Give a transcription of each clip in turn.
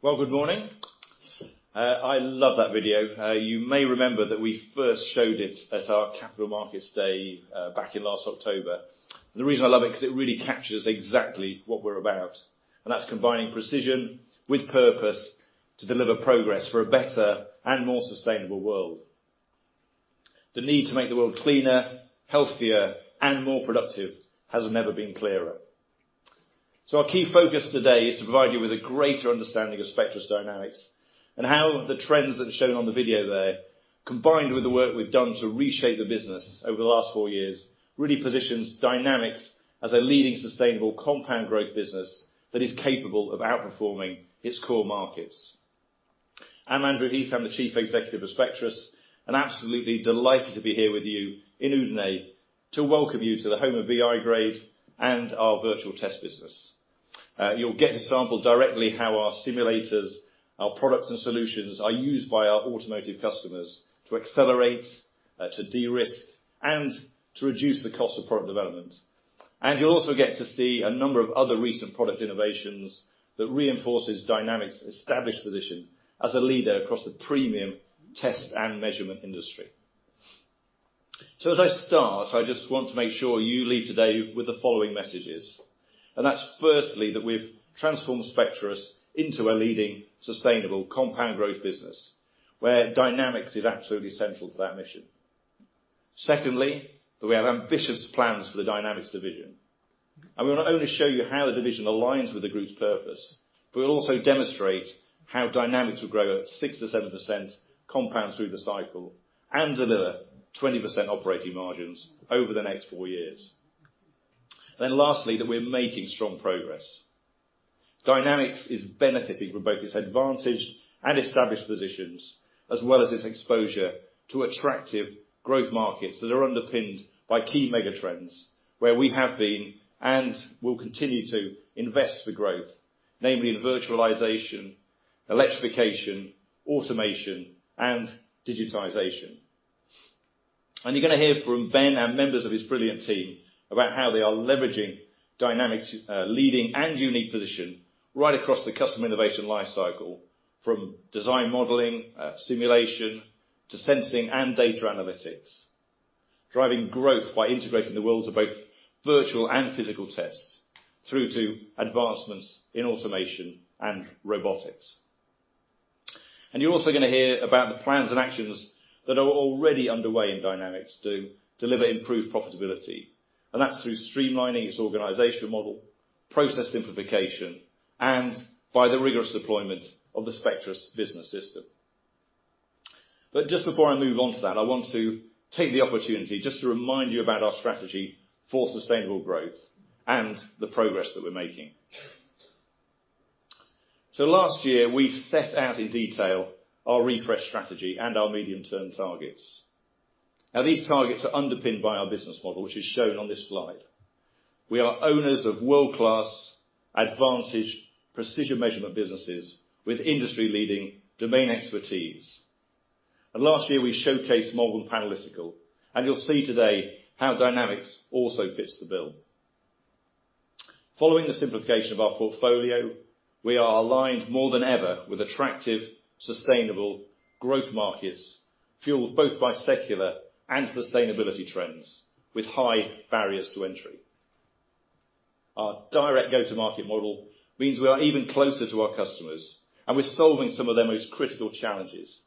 Well, good morning. I love that video. You may remember that we first showed it at our Capital Markets Day, back in last October. The reason I love it, 'cause it really captures exactly what we're about, and that's combining precision with purpose to deliver progress for a better and more sustainable world. The need to make the world cleaner, healthier, and more productive has never been clearer. Our key focus today is to provide you with a greater understanding of Spectris Dynamics, and how the trends that are shown on the video there, combined with the work we've done to reshape the business over the last four years, really positions Dynamics as a leading sustainable compound growth business that is capable of outperforming its core markets. I'm Andrew Heath. I'm the chief executive of Spectris, and absolutely delighted to be here with you in Oudenaarde, to welcome you to the home of VI-grade and our virtual test business. You'll get to sample directly how our simulators, our products and solutions, are used by our automotive customers to accelerate, to de-risk, and to reduce the cost of product development. You'll also get to see a number of other recent product innovations that reinforces Dynamics' established position as a leader across the premium test and measurement industry. As I start, I just want to make sure you leave today with the following messages, and that's firstly, that we've transformed Spectris into a leading sustainable compound growth business, where Dynamics is absolutely central to that mission. Secondly, that we have ambitious plans for the Dynamics division. We want to not only show you how the division aligns with the group's purpose, but we'll also demonstrate how Dynamics will grow at 6%-7% compound through the cycle, and deliver 20% operating margins over the next four years. Lastly, that we're making strong progress. Dynamics is benefiting from both its advantage and established positions, as well as its exposure to attractive growth markets that are underpinned by key mega trends, where we have been and will continue to invest for growth, namely in virtualization, electrification, automation, and digitization. You're gonna hear from Ben and members of his brilliant team, about how they are leveraging Dynamics', leading and unique position right across the customer innovation life cycle, from design modeling, simulation, to sensing and data analytics. Driving growth by integrating the worlds of both virtual and physical tests, through to advancements in automation and robotics. You're also going to hear about the plans and actions that are already underway in Spectris Dynamics to deliver improved profitability, and that's through streamlining its organizational model, process simplification, and by the rigorous deployment of the Spectris Business System. Just before I move on to that, I want to take the opportunity just to remind you about our strategy for sustainable growth and the progress that we're making. Last year, we set out in detail our refresh strategy and our medium-term targets. Now, these targets are underpinned by our business model, which is shown on this slide. We are owners of world-class, advantage, precision measurement businesses with industry-leading domain expertise. Last year, we showcased Malvern Panalytical, and you'll see today how Spectris Dynamics also fits the bill. Following the simplification of our portfolio, we are aligned more than ever with attractive, sustainable growth markets, fueled both by secular and sustainability trends, with high barriers to entry. Our direct go-to-market model means we are even closer to our customers, and we're solving some of their most critical challenges,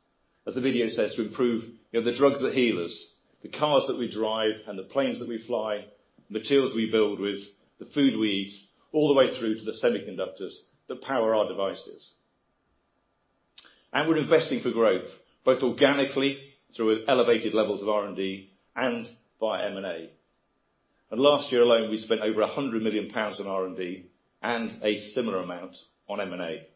as the video says, to improve, you know, the drugs that heal us, the cars that we drive, and the planes that we fly, materials we build with, the food we eat, all the way through to the semiconductors that power our devices. We're investing for growth, both organically, through elevated levels of R&D, and via M&A. Last year alone, we spent over 100 million pounds on R&D, and a similar amount on M&A.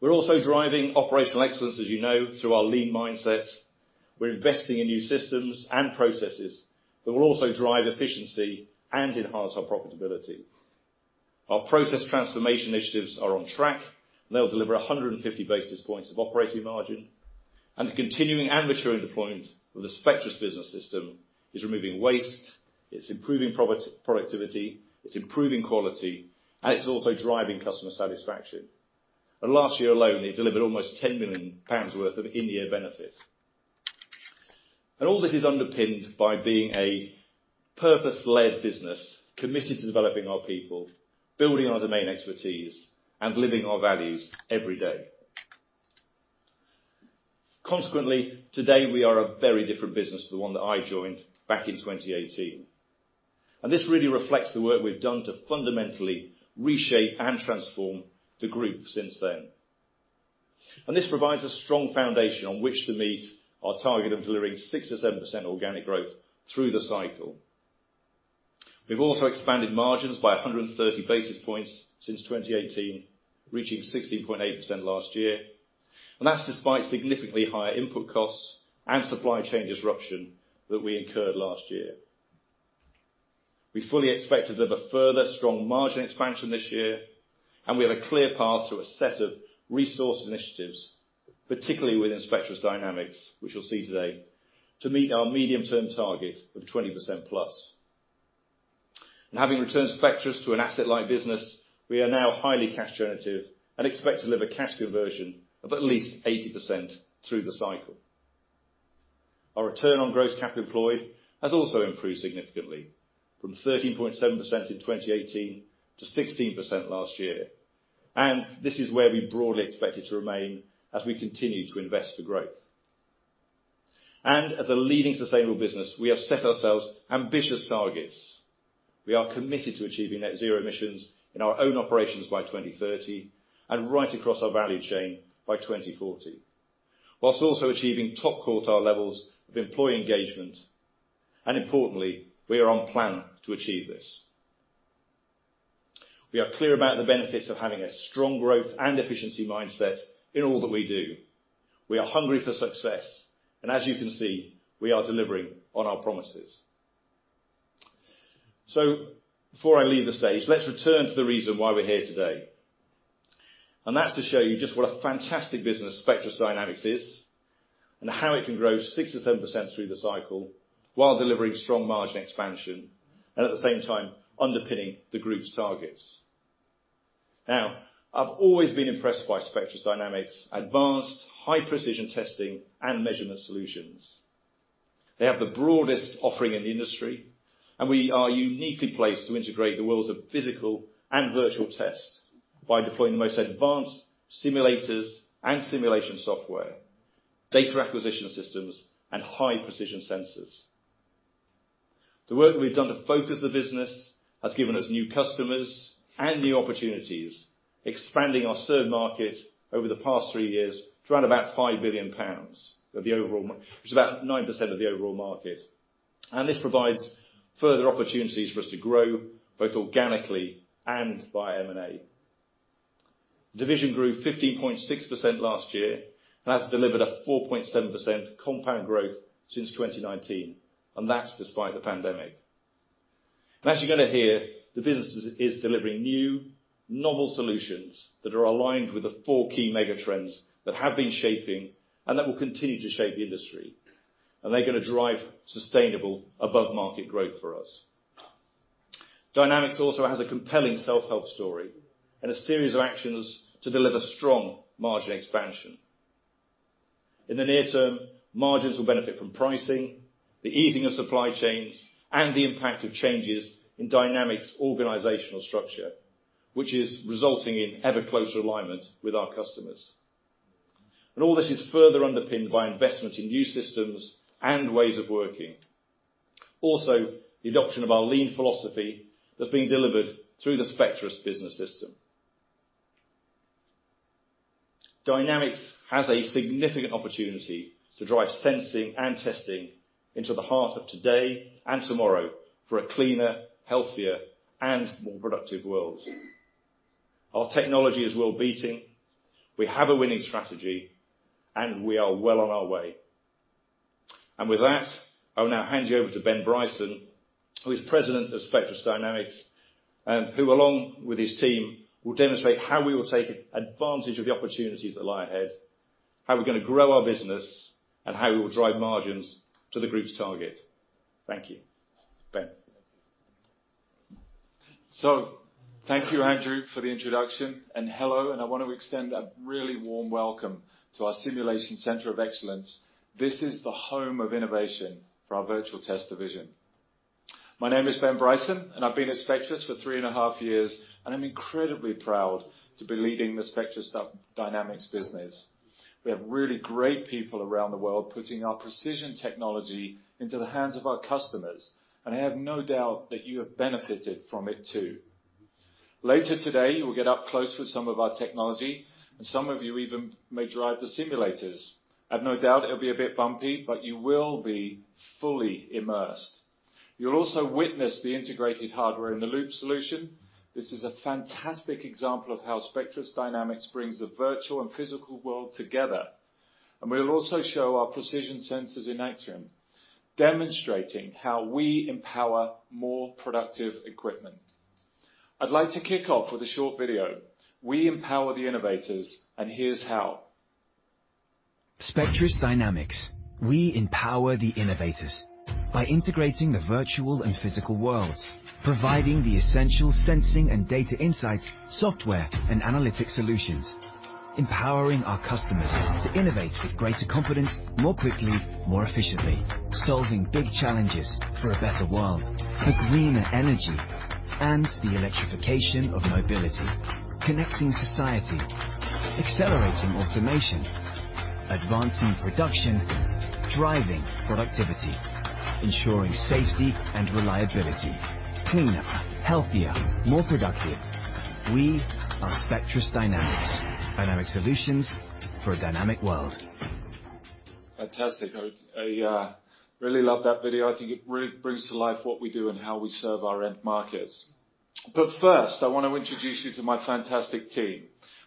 We're also driving operational excellence, as you know, through our lean mindsets. We're investing in new systems and processes that will also drive efficiency and enhance our profitability. Our process transformation initiatives are on track, and they'll deliver 150 basis points of operating margin, and the continuing and maturing deployment of the Spectris Business System is removing waste, it's improving productivity, it's improving quality, and it's also driving customer satisfaction. Last year alone, it delivered almost 10 million pounds worth of in-year benefits. All this is underpinned by being a purpose-led business, committed to developing our people, building our domain expertise, and living our values every day. Consequently, today, we are a very different business to the one that I joined back in 2018. This really reflects the work we've done to fundamentally reshape and transform the group since then. This provides a strong foundation on which to meet our target of delivering 6%-7% organic growth through the cycle. We've also expanded margins by 130 basis points since 2018, reaching 16.8% last year, and that's despite significantly higher input costs and supply chain disruption that we incurred last year. We fully expected there'll be a further strong margin expansion this year. We have a clear path to a set of resource initiatives, particularly within Spectris Dynamics, which you'll see today, to meet our medium-term target of 20%+. Having returned Spectris to an asset-light business, we are now highly cash generative and expect to deliver cash conversion of at least 80% through the cycle. Our Return on Gross Capital Employed has also improved significantly, from 13.7% in 2018 to 16% last year, this is where we broadly expect it to remain as we continue to invest for growth. As a leading sustainable business, we have set ourselves ambitious targets. We are committed to achieving net zero emissions in our own operations by 2030, and right across our value chain by 2040, whilst also achieving top quartile levels of employee engagement. Importantly, we are on plan to achieve this. We are clear about the benefits of having a strong growth and efficiency mindset in all that we do. We are hungry for success, as you can see, we are delivering on our promises. Before I leave the stage, let's return to the reason why we're here today, and that's to show you just what a fantastic business Spectris Dynamics is, and how it can grow 6%-7% through the cycle while delivering strong margin expansion, and at the same time, underpinning the group's targets. I've always been impressed by Spectris Dynamics' advanced, high-precision testing and measurement solutions. They have the broadest offering in the industry, and we are uniquely placed to integrate the worlds of physical and virtual test by deploying the most advanced simulators and simulation software, data acquisition systems, and high-precision sensors. The work that we've done to focus the business has given us new customers and new opportunities, expanding our served markets over the past three years to around about 5 billion pounds of the overall which is about 9% of the overall market. This provides further opportunities for us to grow, both organically and by M&A. The division grew 15.6% last year, and has delivered a 4.7% compound growth since 2019, and that's despite the pandemic. As you're gonna hear, the business is delivering new, novel solutions that are aligned with the four key mega trends that have been shaping, and that will continue to shape the industry, and they're gonna drive sustainable above-market growth for us. Dynamics also has a compelling self-help story and a series of actions to deliver strong margin expansion. In the near term, margins will benefit from pricing, the easing of supply chains, and the impact of changes in Dynamics' organizational structure, which is resulting in ever closer alignment with our customers. All this is further underpinned by investment in new systems and ways of working. The adoption of our lean philosophy that's being delivered through the Spectris Business System. Dynamics has a significant opportunity to drive sensing and testing into the heart of today and tomorrow for a cleaner, healthier, and more productive world. Our technology is world-beating, we have a winning strategy, and we are well on our way. With that, I will now hand you over to Ben Bryson, who is President of Spectris Dynamics, and who, along with his team, will demonstrate how we will take advantage of the opportunities that lie ahead, how we're gonna grow our business, and how we will drive margins to the group's target. Thank you. Ben? Thank you, Andrew, for the introduction, and hello, and I want to extend a really warm welcome to our Simulation Center of Excellence. This is the home of innovation for our Virtual Test division. My name is Ben Bryson, and I've been at Spectris for three and a half years, and I'm incredibly proud to be leading the Spectris Dynamics business. We have really great people around the world putting our precision technology into the hands of our customers, and I have no doubt that you have benefited from it, too. Later today, you will get up close with some of our technology, and some of you even may drive the simulators. I've no doubt it'll be a bit bumpy, but you will be fully immersed. You'll also witness the integrated hardware-in-the-loop solution. This is a fantastic example of how Spectris Dynamics brings the virtual and physical world together. We will also show our precision sensors in action, demonstrating how we empower more productive equipment. I'd like to kick off with a short video. We empower the innovators. Here's how. Spectris Dynamics, we empower the innovators by integrating the virtual and physical worlds, providing the essential sensing and data insights, software, and analytic solutions. Empowering our customers to innovate with greater confidence, more quickly, more efficiently, solving big challenges for a better world, for greener energy, and the electrification of mobility. Connecting society, accelerating automation, advancing production, driving productivity, ensuring safety and reliability. Cleaner, healthier, more productive. We are Spectris Dynamics. Dynamic solutions for a dynamic world. Fantastic. I really love that video. I think it really brings to life what we do and how we serve our end markets. First, I want to introduce you to my fantastic team.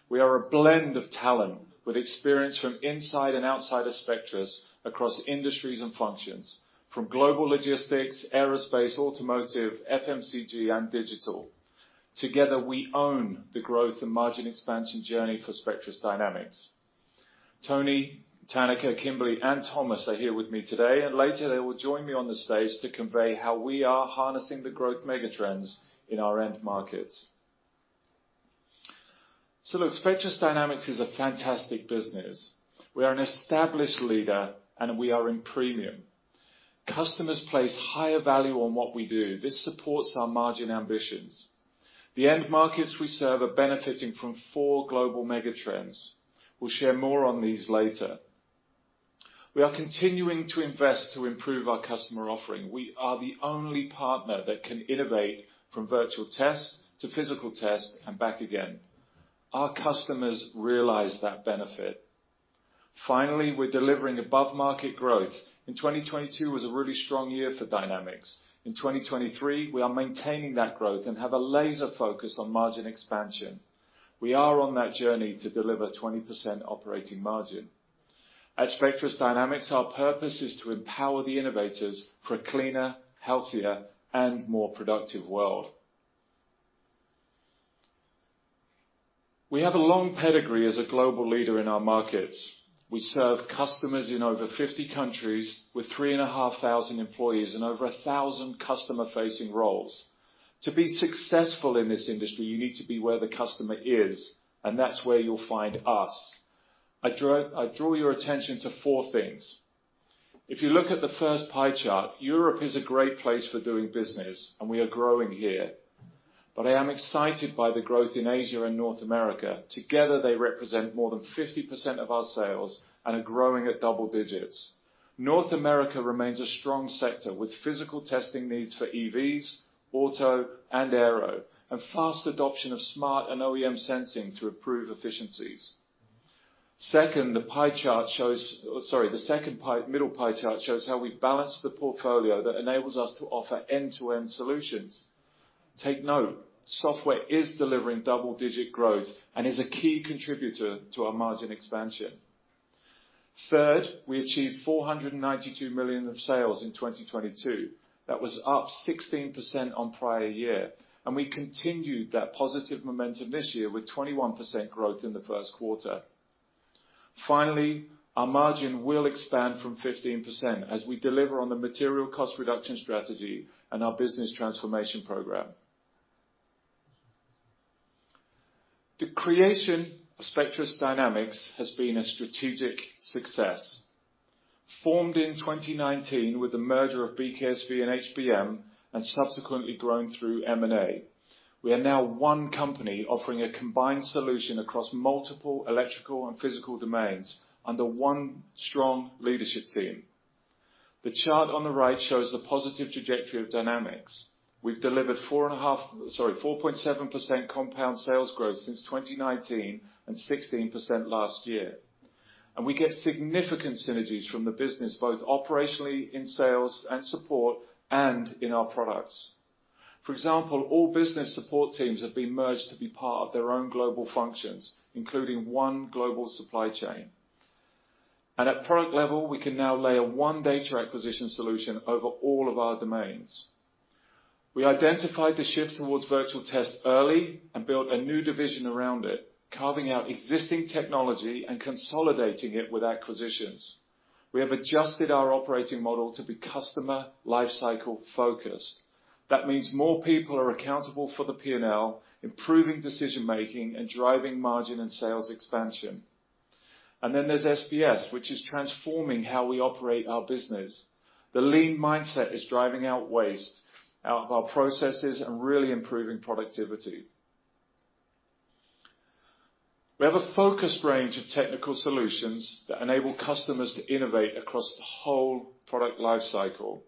We are a blend of talent, with experience from inside and outside of Spectris, across industries and functions, from global logistics, aerospace, automotive, FMCG, and digital. Together, we own the growth and margin expansion journey for Spectris Dynamics. Tony, Tanneke, Kimberly, and Thomas are here with me today, and later they will join me on the stage to convey how we are harnessing the growth mega trends in our end markets. Look, Spectris Dynamics is a fantastic business. We are an established leader, and we are in premium. Customers place higher value on what we do. This supports our margin ambitions. The end markets we serve are benefiting from four global mega trends. We'll share more on these later. We are continuing to invest to improve our customer offering. We are the only partner that can innovate from virtual test to physical test and back again. Our customers realize that benefit. Finally, we're delivering above-market growth, and 2022 was a really strong year for Dynamics. In 2023, we are maintaining that growth and have a laser focus on margin expansion. We are on that journey to deliver 20% operating margin. At Spectris Dynamics, our purpose is to empower the innovators for a cleaner, healthier, and more productive world. We have a long pedigree as a global leader in our markets. We serve customers in over 50 countries with 3,500 employees and over 1,000 customer-facing roles. To be successful in this industry, you need to be where the customer is, and that's where you'll find us. I draw your attention to four things. If you look at the first pie chart, Europe is a great place for doing business, and we are growing here. I am excited by the growth in Asia and North America. Together, they represent more than 50% of our sales and are growing at double digits. North America remains a strong sector, with physical testing needs for EVs, auto, and aero, and fast adoption of smart and OEM sensing to improve efficiencies. Second, the second pie, middle pie chart shows how we've balanced the portfolio that enables us to offer end-to-end solutions. Take note, software is delivering double-digit growth and is a key contributor to our margin expansion. Third, we achieved 492 million of sales in 2022. That was up 16% on prior year, and we continued that positive momentum this year with 21% growth in the first quarter. Finally, our margin will expand from 15% as we deliver on the material cost reduction strategy and our business transformation program. The creation of Spectris Dynamics has been a strategic success. Formed in 2019 with the merger of B&K SV and HBM, and subsequently grown through M&A, we are now one company offering a combined solution across multiple electrical and physical domains under one strong leadership team. The chart on the right shows the positive trajectory of Dynamics. We've delivered 4.7% compound sales growth since 2019, and 16% last year. We get significant synergies from the business, both operationally in sales and support, and in our products. For example, all business support teams have been merged to be part of their own global functions, including one global supply chain. At product level, we can now layer one data acquisition solution over all of our domains. We identified the shift towards virtual test early and built a new division around it, carving out existing technology and consolidating it with acquisitions. We have adjusted our operating model to be customer lifecycle-focused. That means more people are accountable for the P&L, improving decision-making, and driving margin and sales expansion. There's SBS, which is transforming how we operate our business. The lean mindset is driving out waste of our processes and really improving productivity. We have a focused range of technical solutions that enable customers to innovate across the whole product lifecycle,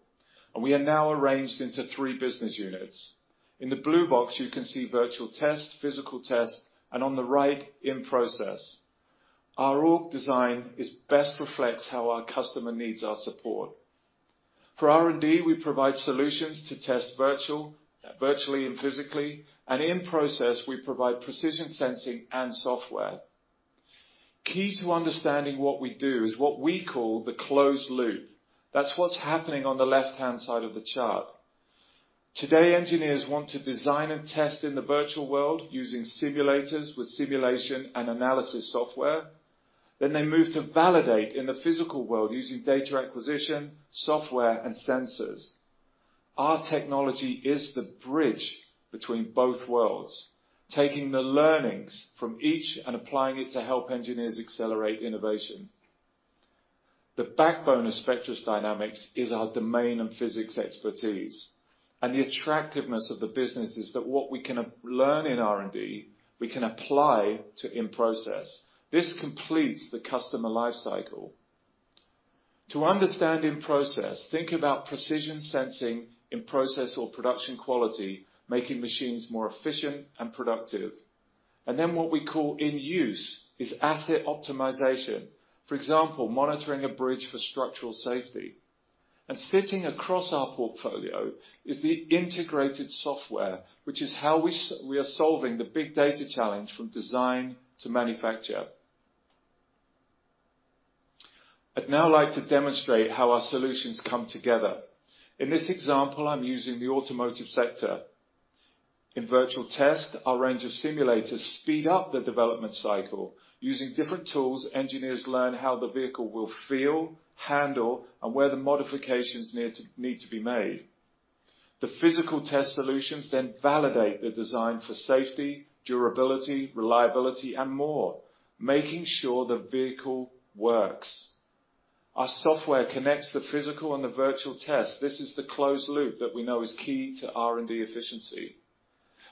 and we are now arranged into three business units. In the blue box, you can see Virtual Test, Physical Test, and on the right, In-Process. Our org design is best reflects how our customer needs our support. For R&D, we provide solutions to test virtual, virtually and physically, and In-Process, we provide precision sensing and software. Key to understanding what we do is what we call the closed loop. That's what's happening on the left-hand side of the chart. Today, engineers want to design and test in the virtual world using simulators with simulation and analysis software. They move to validate in the physical world using data acquisition, software, and sensors. Our technology is the bridge between both worlds, taking the learnings from each and applying it to help engineers accelerate innovation. The backbone of Spectris Dynamics is our domain and physics expertise. The attractiveness of the business is that what we can learn in R&D, we can apply to in-process. This completes the customer life cycle. To understand in-process, think about precision sensing in process or production quality, making machines more efficient and productive. What we call in-use is asset optimization. For example, monitoring a bridge for structural safety. Sitting across our portfolio is the integrated software, which is how we are solving the big data challenge from design to manufacture. I'd now like to demonstrate how our solutions come together. In this example, I'm using the automotive sector. In virtual test, our range of simulators speed up the development cycle. Using different tools, engineers learn how the vehicle will feel, handle, and where the modifications need to be made. The physical test solutions then validate the design for safety, durability, reliability, and more, making sure the vehicle works. Our software connects the physical and the virtual test. This is the closed loop that we know is key to R&D efficiency.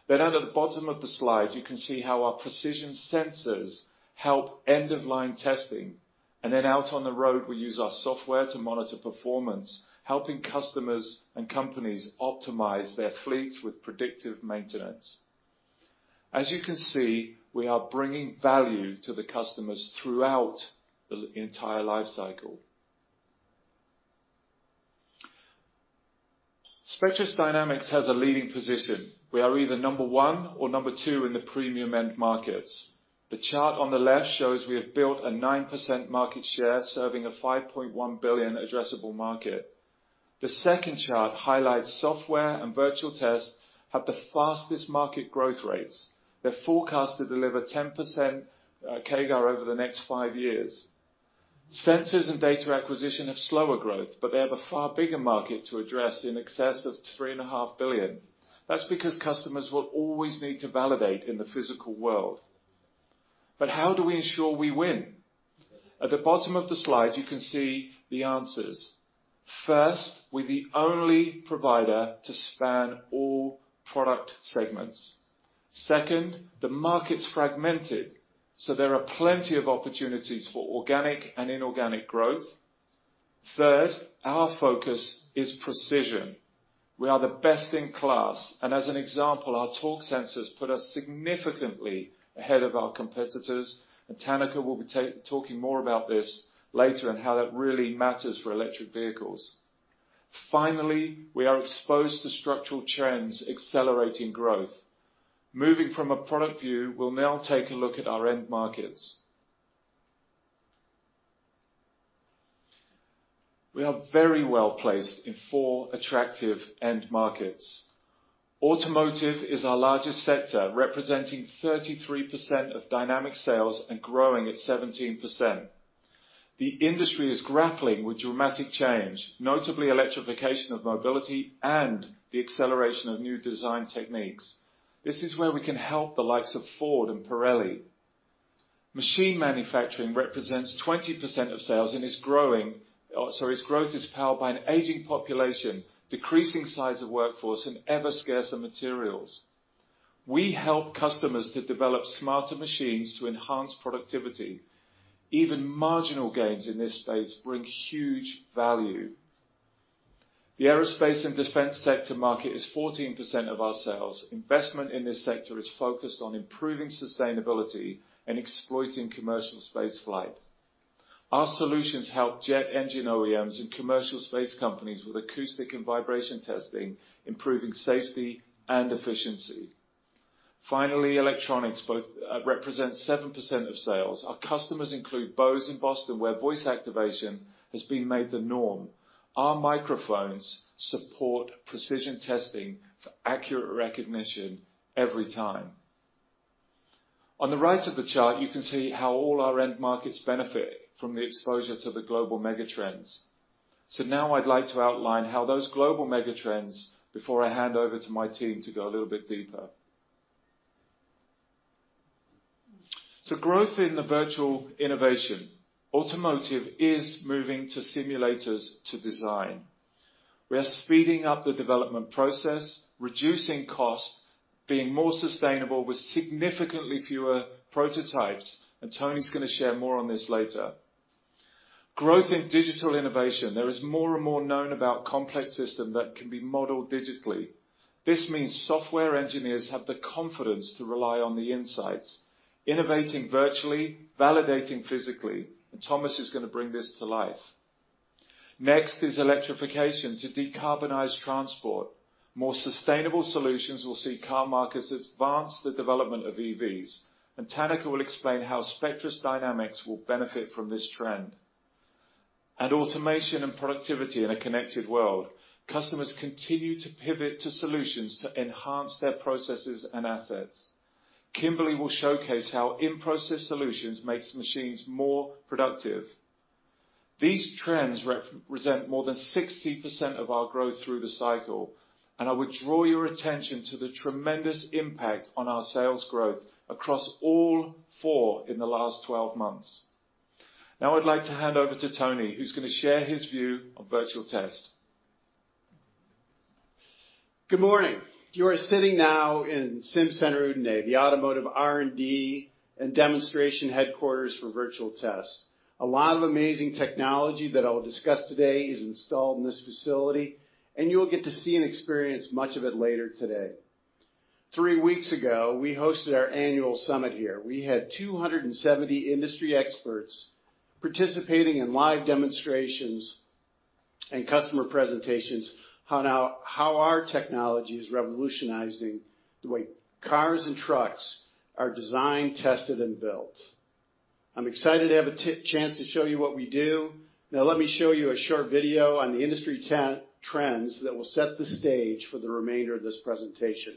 Down at the bottom of the slide, you can see how our precision sensors help end-of-line testing, and then out on the road, we use our software to monitor performance, helping customers and companies optimize their fleets with predictive maintenance. You can see, we are bringing value to the customers throughout the entire life cycle. Spectris Dynamics has a leading position. We are either number one or number two in the premium end markets. The chart on the left shows we have built a 9% market share, serving a 5.1 billion addressable market. The second chart highlights software and virtual test have the fastest market growth rates. They're forecast to deliver 10% CAGR over the next five years. Sensors and data acquisition have slower growth, but they have a far bigger market to address, in excess of three and a half billion. That's because customers will always need to validate in the physical world. How do we ensure we win? At the bottom of the slide, you can see the answers. First, we're the only provider to span all product segments. Second, the market's fragmented, there are plenty of opportunities for organic and inorganic growth. Third, our focus is precision. We are the best in class, and as an example, our torque sensors put us significantly ahead of our competitors, and Tanaka will be talking more about this later and how that really matters for electric vehicles. We are exposed to structural trends accelerating growth. Moving from a product view, we'll now take a look at our end markets. We are very well-placed in four attractive end markets. Automotive is our largest sector, representing 33% of dynamic sales and growing at 17%. The industry is grappling with dramatic change, notably electrification of mobility and the acceleration of new design techniques. This is where we can help the likes of Ford and Pirelli. Machine manufacturing represents 20% of sales and sorry, its growth is powered by an aging population, decreasing size of workforce, and ever scarcer materials. We help customers to develop smarter machines to enhance productivity. Even marginal gains in this space bring huge value. The aerospace and defense sector market is 14% of our sales. Investment in this sector is focused on improving sustainability and exploiting commercial space flight. Our solutions help jet engine OEMs and commercial space companies with acoustic and vibration testing, improving safety and efficiency. Finally, electronics both represents 7% of sales. Our customers include Bose in Boston, where voice activation has been made the norm. Our microphones support precision testing for accurate recognition every time. On the right of the chart, you can see how all our end markets benefit from the exposure to the global mega trends. Now I'd like to outline how those global mega trends before I hand over to my team to go a little bit deeper. Growth in the virtual innovation. Automotive is moving to simulators to design. We are speeding up the development process, reducing cost, being more sustainable with significantly fewer prototypes. Tony's gonna share more on this later. Growth in digital innovation. There is more and more known about complex system that can be modeled digitally. This means software engineers have the confidence to rely on the insights, innovating virtually, validating physically. Thomas is gonna bring this to life. Next is electrification to decarbonize transport. More sustainable solutions will see car markets advance the development of EVs. Tony Spagnuolo will explain how Spectris Dynamics will benefit from this trend. Automation and productivity in a connected world, customers continue to pivot to solutions to enhance their processes and assets. Kimberly will showcase how In-Process solutions makes machines more productive. These trends represent more than 60% of our growth through the cycle. I would draw your attention to the tremendous impact on our sales growth across all four in the last 12 months. Now, I'd like to hand over to Tony, who's gonna share his view on Virtual Test. Good morning. You are sitting now in SimCenter Udine, the automotive R&D and demonstration headquarters for Virtual Test. A lot of amazing technology that I will discuss today is installed in this facility, and you will get to see and experience much of it later today. Three weeks ago, we hosted our annual summit here. We had 270 industry experts participating in live demonstrations and customer presentations on how our technology is revolutionizing the way cars and trucks are designed, tested, and built. I'm excited to have a chance to show you what we do. Now, let me show you a short video on the industry trends that will set the stage for the remainder of this presentation.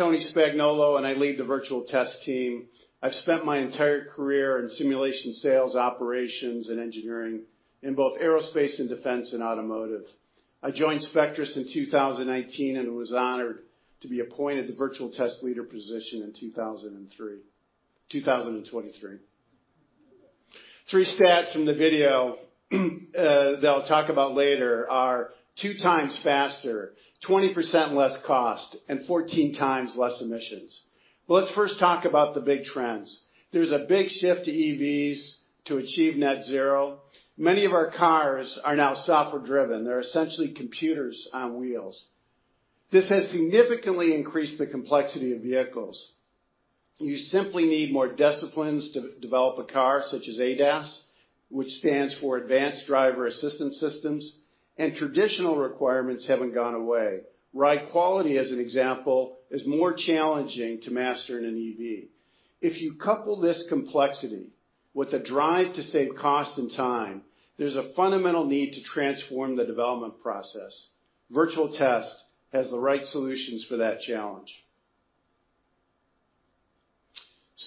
My name is Tony Spagnuolo, and I lead the Virtual Test team. I've spent my entire career in simulation sales, operations, and engineering in both aerospace and defense and automotive. I joined Spectris in 2019 and was honored to be appointed the Virtual Test leader position in 2023. 3 stats from the video that I'll talk about later are 2 times faster, 20% less cost, and 14 times less emissions. Let's first talk about the big trends. There's a big shift to EVs to achieve net zero. Many of our cars are now software-driven. They're essentially computers on wheels. This has significantly increased the complexity of vehicles. You simply need more disciplines to develop a car, such as ADAS, which stands for Advanced Driver Assistance Systems. Traditional requirements haven't gone away. Ride quality, as an example, is more challenging to master in an EV. If you couple this complexity with a drive to save cost and time, there's a fundamental need to transform the development process. Virtual Test has the right solutions for that challenge.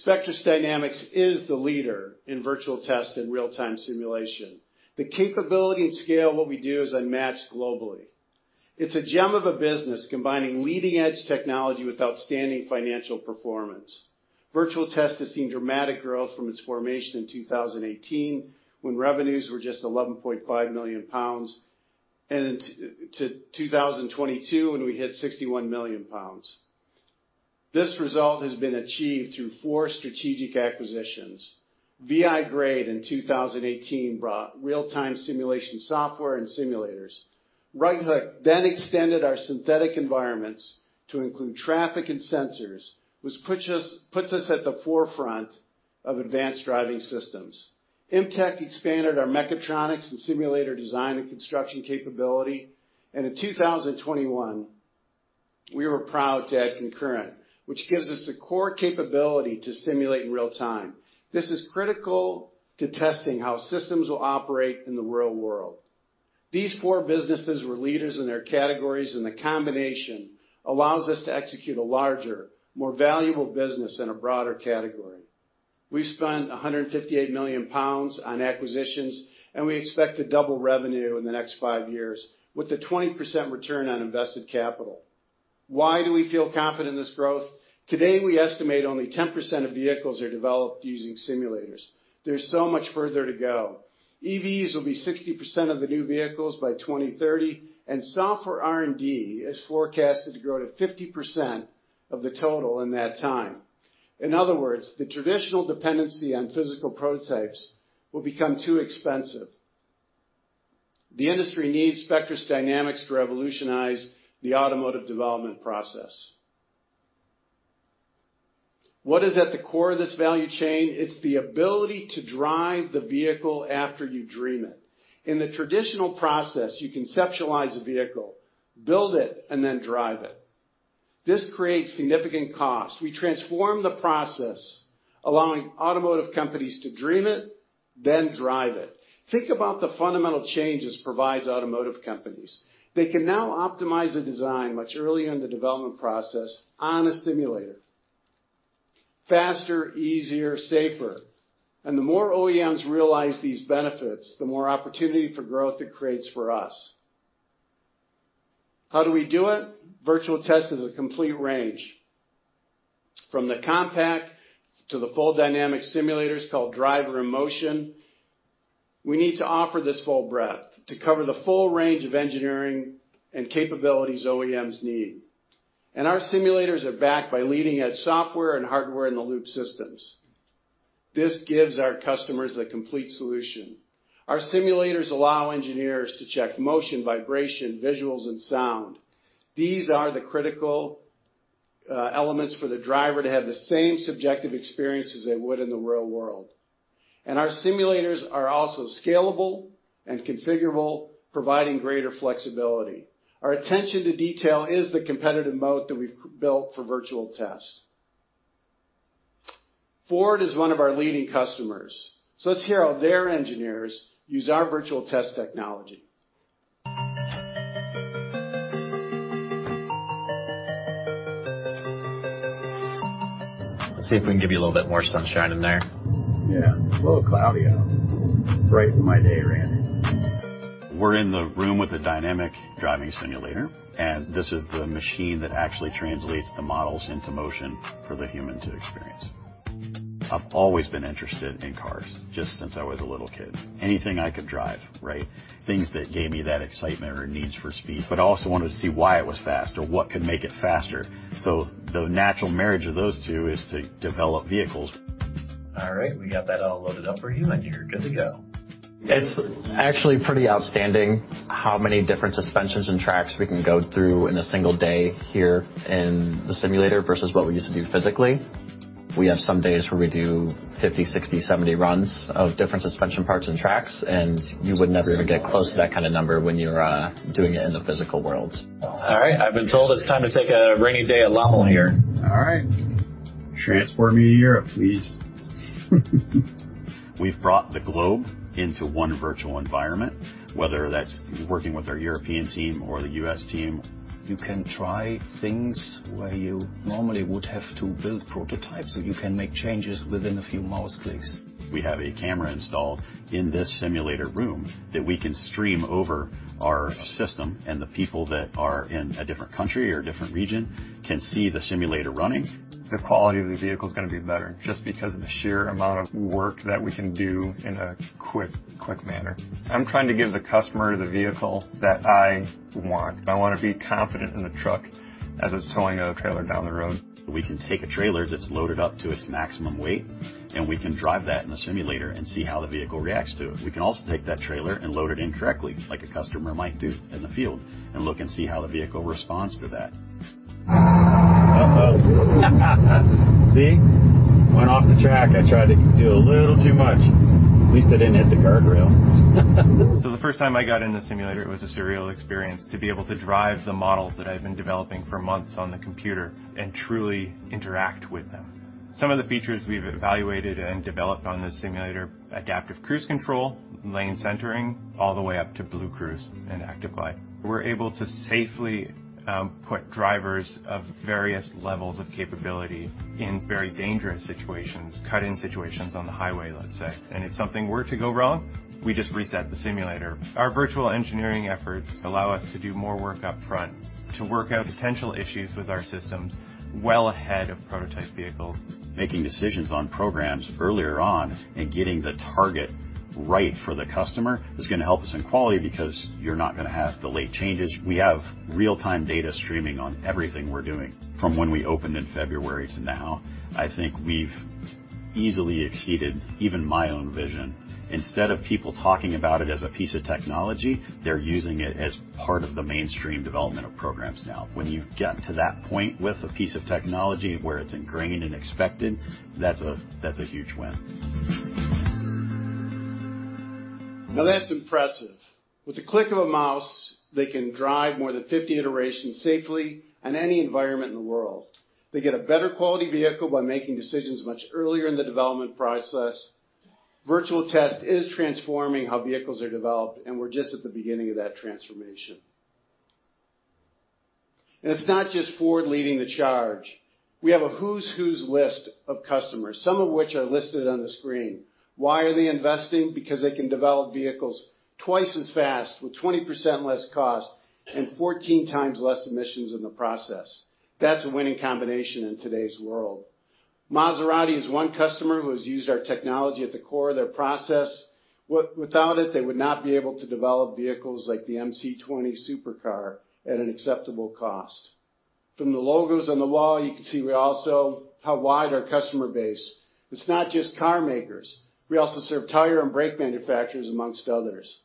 Spectris Dynamics is the leader in virtual test and real-time simulation. The capability and scale of what we do is unmatched globally. It's a gem of a business, combining leading-edge technology with outstanding financial performance. Virtual Test has seen dramatic growth from its formation in 2018, when revenues were just 11.5 million pounds, to 2022, when we hit 61 million pounds. This result has been achieved through four strategic acquisitions. VI-grade, in 2018, brought real-time simulation software and simulators. RightHook extended our synthetic environments to include traffic and sensors, which puts us at the forefront of advanced driving systems. Imtec expanded our mechatronics and simulator design and construction capability. In 2021, we were proud to add Concurrent, which gives us the core capability to simulate in real time. This is critical to testing how systems will operate in the real world. These 4 businesses were leaders in their categories, and the combination allows us to execute a larger, more valuable business in a broader category. We've spent 158 million pounds on acquisitions, and we expect to double revenue in the next 5 years with a 20% return on invested capital. Why do we feel confident in this growth? Today, we estimate only 10% of vehicles are developed using simulators. There's so much further to go. EVs will be 60% of the new vehicles by 2030, and software R&D is forecasted to grow to 50% of the total in that time. In other words, the traditional dependency on physical prototypes will become too expensive. The industry needs Spectris Dynamics to revolutionize the automotive development process. What is at the core of this value chain? It's the ability to drive the vehicle after you dream it. In the traditional process, you conceptualize a vehicle, build it, and then drive it. This creates significant costs. We transform the process, allowing automotive companies to dream it, then drive it. Think about the fundamental changes provides automotive companies. They can now optimize a design much earlier in the development process on a simulator: faster, easier, safer. The more OEMs realize these benefits, the more opportunity for growth it creates for us. How do we do it? Virtual Test is a complete range, from the compact to the full dynamic simulators, called DiM. We need to offer this full breadth to cover the full range of engineering and capabilities OEMs need, and our simulators are backed by leading-edge software and hardware-in-the-loop systems. This gives our customers a complete solution. Our simulators allow engineers to check motion, vibration, visuals, and sound. These are the critical elements for the driver to have the same subjective experience as they would in the real world. Our simulators are also scalable and configurable, providing greater flexibility. Our attention to detail is the competitive mode that we've built for virtual tests. Ford is one of our leading customers, let's hear how their engineers use our virtual test technology. Let's see if we can give you a little bit more sunshine in there. Yeah, a little cloudy out. Right for my day, Randy. We're in the room with a dynamic driving simulator, this is the machine that actually translates the models into motion for the human to experience. I've always been interested in cars, just since I was a little kid. Anything I could drive, right? Things that gave me that excitement or need for speed, I also wanted to see why it was fast or what could make it faster. The natural marriage of those two is to develop vehicles. All right, we got that all loaded up for you, and you're good to go. It's actually pretty outstanding how many different suspensions and tracks we can go through in a single day here in the simulator versus what we used to do physically. We have some days where we do 50, 60, 70 runs of different suspension parts and tracks, and you would never even get close to that kind of number when you're doing it in the physical world. All right, I've been told it's time to take a rainy day at Lommel here. All right. Transport me to Europe, please. We've brought the globe into one virtual environment, whether that's working with our European team or the US team. You can try things where you normally would have to build prototypes. You can make changes within a few mouse clicks. We have a camera installed in this simulator room that we can stream over our system, and the people that are in a different country or a different region can see the simulator running. The quality of the vehicle is going to be better just because of the sheer amount of work that we can do in a quick manner. I'm trying to give the customer the vehicle that I want. I want to be confident in the truck as it's towing a trailer down the road. We can take a trailer that's loaded up to its maximum weight, and we can drive that in the simulator and see how the vehicle reacts to it. We can also take that trailer and load it incorrectly, like a customer might do in the field, and look and see how the vehicle responds to that. Uh-oh. See? Went off the track. I tried to do a little too much. At least I didn't hit the guardrail. The first time I got in the simulator, it was a surreal experience to be able to drive the models that I've been developing for months on the computer and truly interact with them. Some of the features we've evaluated and developed on this simulator: adaptive cruise control, lane centering, all the way up to Blue Cruise and Active Glide. We're able to safely put drivers of various levels of capability in very dangerous situations, cut-in situations on the highway, let's say. If something were to go wrong, we just reset the simulator. Our virtual engineering efforts allow us to do more work up front, to work out potential issues with our systems well ahead of prototype vehicles. Making decisions on programs earlier on and getting the target right for the customer is going to help us in quality because you're not going to have the late changes. We have real-time data streaming on everything we're doing. From when we opened in February to now, I think we've easily exceeded even my own vision. Instead of people talking about it as a piece of technology, they're using it as part of the mainstream development of programs now. When you've gotten to that point with a piece of technology where it's ingrained and expected, that's a huge win. Now that's impressive. With the click of a mouse, they can drive more than 50 iterations safely in any environment in the world. They get a better quality vehicle by making decisions much earlier in the development process. Virtual test is transforming how vehicles are developed, and we're just at the beginning of that transformation. It's not just Ford leading the charge. We have a who's-who list of customers, some of which are listed on the screen. Why are they investing? Because they can develop vehicles twice as fast, with 20% less cost and 14 times less emissions in the process. That's a winning combination in today's world. Maserati is one customer who has used our technology at the core of their process. Without it, they would not be able to develop vehicles like the MC20 supercar at an acceptable cost. From the logos on the wall, you can see how wide our customer base. It's not just car makers. We also serve tire and brake manufacturers, amongst others.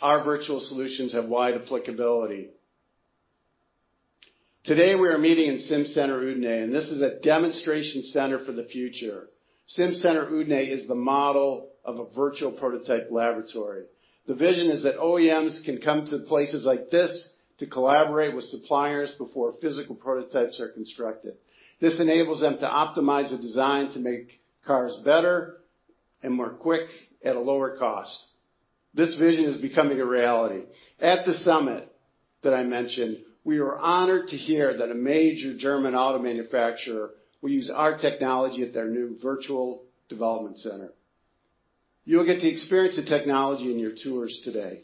Our virtual solutions have wide applicability. Today, we are meeting in SimCenter Udine, and this is a demonstration center for the future. SimCenter Udine is the model of a virtual prototype laboratory. The vision is that OEMs can come to places like this to collaborate with suppliers before physical prototypes are constructed. This enables them to optimize the design to make cars better and more quick at a lower cost. This vision is becoming a reality. At the summit that I mentioned, we were honored to hear that a major German auto manufacturer will use our technology at their new virtual development center. You'll get to experience the technology in your tours today.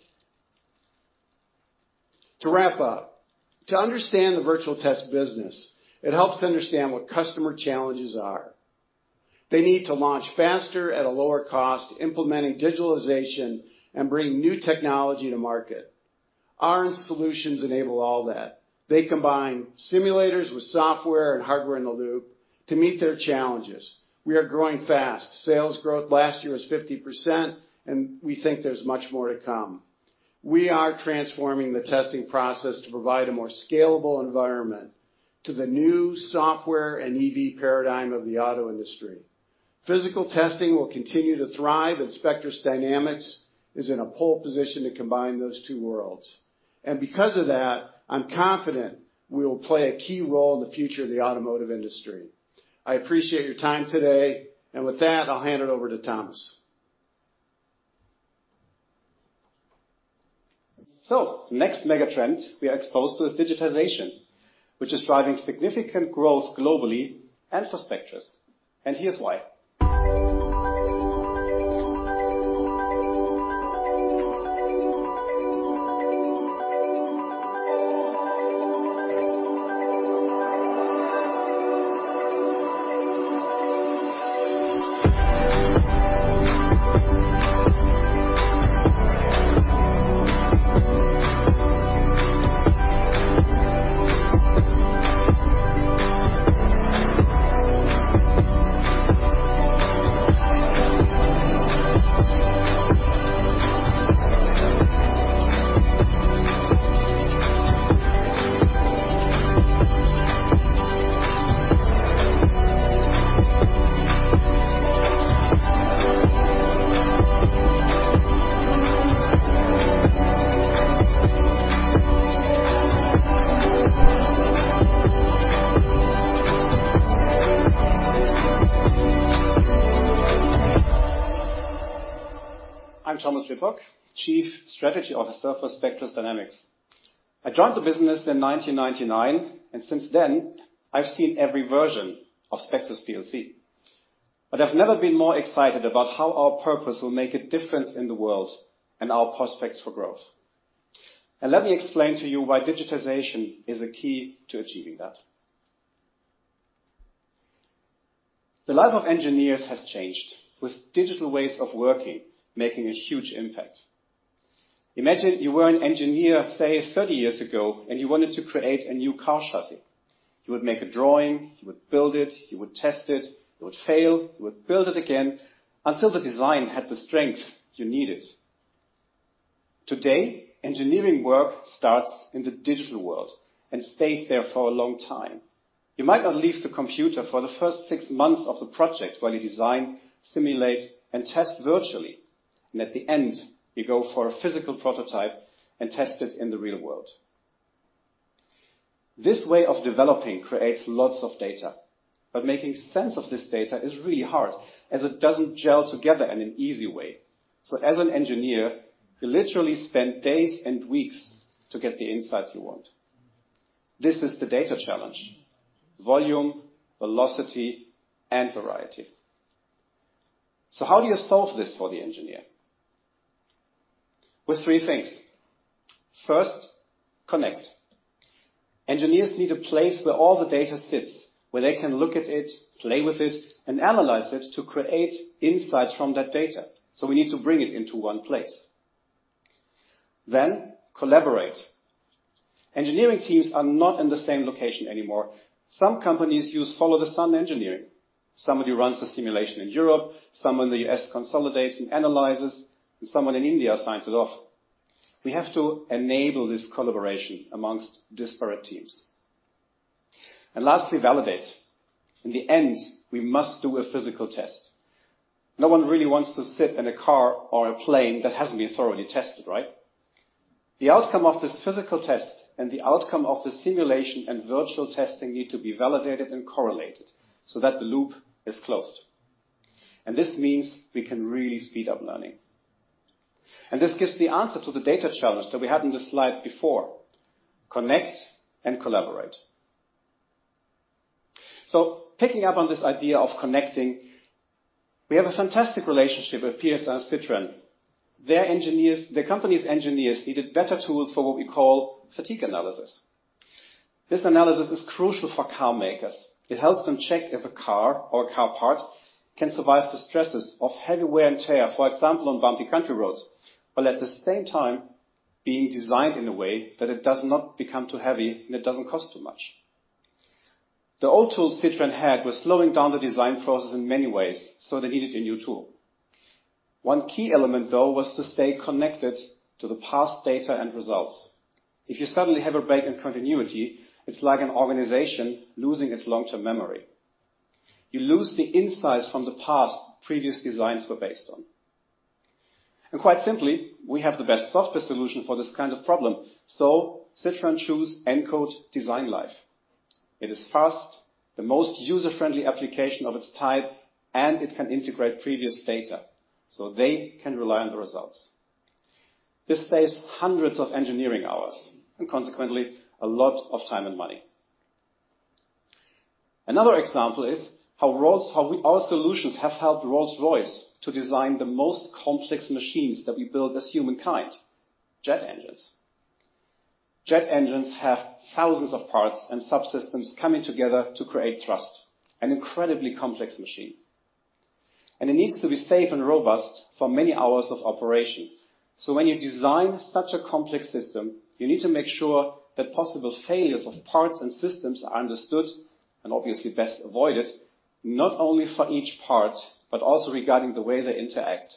To wrap up, to understand the virtual test business, it helps to understand what customer challenges are. They need to launch faster at a lower cost, implementing digitalization and bringing new technology to market. Our solutions enable all that. They combine simulators with software and hardware in the loop to meet their challenges. We are growing fast. Sales growth last year was 50%. We think there's much more to come. We are transforming the testing process to provide a more scalable environment to the new software and EV paradigm of the auto industry. Physical testing will continue to thrive. Spectris Dynamics is in a pole position to combine those two worlds. Because of that, I'm confident we will play a key role in the future of the automotive industry. I appreciate your time today. With that, I'll hand it over to Thomas. Next mega trend we are exposed to is digitization, which is driving significant growth globally and for Spectris, and here's why. I'm Thomas Lippok, Chief Strategy Officer for Spectris Dynamics. I joined the business in 1999, and since then, I've seen every version of Spectris plc. I've never been more excited about how our purpose will make a difference in the world and our prospects for growth. Let me explain to you why digitization is a key to achieving that. The life of engineers has changed, with digital ways of working, making a huge impact. Imagine you were an engineer, say, 30 years ago, and you wanted to create a new car chassis. You would make a drawing, you would build it, you would test it, you would fail, you would build it again until the design had the strength you needed. Today, engineering work starts in the digital world and stays there for a long time. You might not leave the computer for the first six months of the project while you design, simulate, and test virtually, and at the end, you go for a physical prototype and test it in the real world. This way of developing creates lots of data, but making sense of this data is really hard as it doesn't gel together in an easy way. As an engineer, you literally spend days and weeks to get the insights you want. This is the data challenge: volume, velocity, and variety. How do you solve this for the engineer? With three things. First, connect. Engineers need a place where all the data sits, where they can look at it, play with it, and analyze it to create insights from that data. We need to bring it into one place. Collaborate. Engineering teams are not in the same location anymore. Some companies use follow-the-sun engineering. Somebody runs a simulation in Europe, someone in the U.S. consolidates and analyzes it, and someone in India signs it off. We have to enable this collaboration amongst disparate teams. Lastly, validate. In the end, we must do a physical test. No one really wants to sit in a car or a plane that hasn't been thoroughly tested, right? The outcome of this physical test and the outcome of the simulation and virtual testing need to be validated and correlated so that the loop is closed. This means we can really speed up learning. This gives the answer to the data challenge that we had in the slide before. Connect and collaborate. Picking up on this idea of connecting, we have a fantastic relationship with Peugeot Citroën. The company's engineers needed better tools for what we call fatigue analysis. This analysis is crucial for car makers. It helps them check if a car or a car part can survive the stresses of heavy wear and tear, for example, on bumpy country roads, while at the same time being designed in a way that it does not become too heavy and it doesn't cost too much. The old tools Citroën had were slowing down the design process in many ways, so they needed a new tool. One key element, though, was to stay connected to the past data and results. If you suddenly have a break in continuity, it's like an organization losing its long-term memory. You lose the insights from the past previous designs were based on. Quite simply, we have the best software solution for this kind of problem. Citroën choose nCode DesignLife. It is fast, the most user-friendly application of its type, and it can integrate previous data, so they can rely on the results. This saves hundreds of engineering hours and consequently, a lot of time and money. Another example is how we, our solutions have helped Rolls-Royce to design the most complex machines that we build as humankind, jet engines. Jet engines have thousands of parts and subsystems coming together to create thrust, an incredibly complex machine. It needs to be safe and robust for many hours of operation. When you design such a complex system, you need to make sure that possible failures of parts and systems are understood, and obviously, best avoided, not only for each part, but also regarding the way they interact.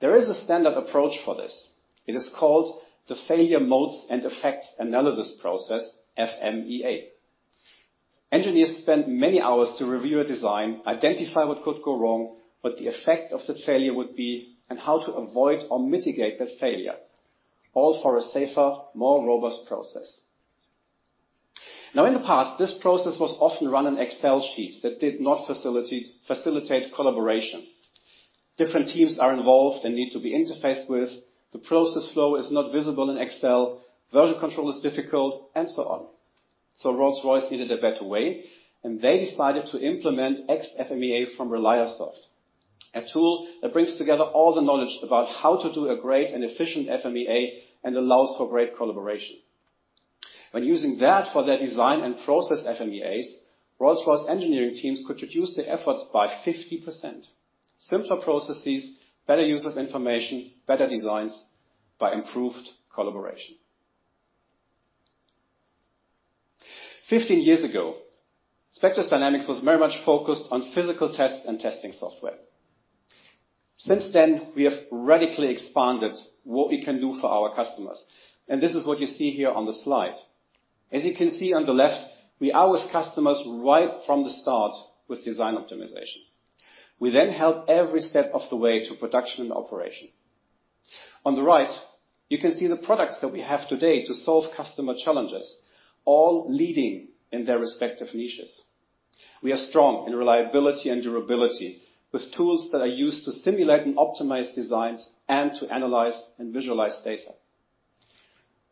There is a standard approach for this. It is called the Failure Mode and Effects Analysis process, FMEA. Engineers spend many hours to review a design, identify what could go wrong, what the effect of the failure would be, and how to avoid or mitigate that failure, all for a safer, more robust process. Now, in the past, this process was often run in Excel sheets that did not facilitate collaboration. Different teams are involved and need to be interfaced with. The process flow is not visible in Excel, version control is difficult, and so on. Rolls-Royce needed a better way, and they decided to implement XFMEA from ReliaSoft, a tool that brings together all the knowledge about how to do a great and efficient FMEA and allows for great collaboration. When using that for their design and process FMEAs, Rolls-Royce engineering teams could reduce their efforts by 50%. Simpler processes, better use of information, better designs by improved collaboration. 15 years ago, Spectris Dynamics was very much focused on physical test and testing software. Since then, we have radically expanded what we can do for our customers, and this is what you see here on the slide. As you can see on the left, we are with customers right from the start with design optimization. We then help every step of the way to production and operation. On the right, you can see the products that we have today to solve customer challenges, all leading in their respective niches. We are strong in reliability and durability, with tools that are used to simulate and optimize designs, and to analyze and visualize data.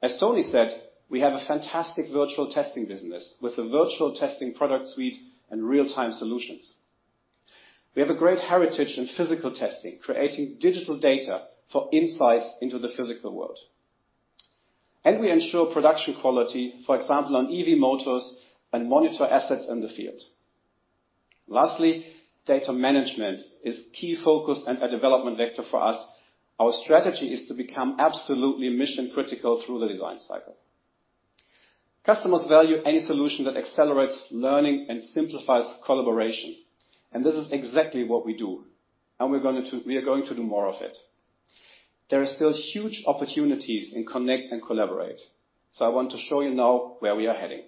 As Tony said, we have a fantastic virtual testing business, with a virtual testing product suite and real-time solutions. We have a great heritage in physical testing, creating digital data for insights into the physical world. We ensure production quality, for example, on EV motors and monitor assets in the field. Lastly, data management is key focus and a development vector for us. Our strategy is to become absolutely mission-critical through the design cycle. Customers value any solution that accelerates learning and simplifies collaboration, and this is exactly what we do, and we are going to do more of it. There are still huge opportunities in connect and collaborate, so I want to show you now where we are heading.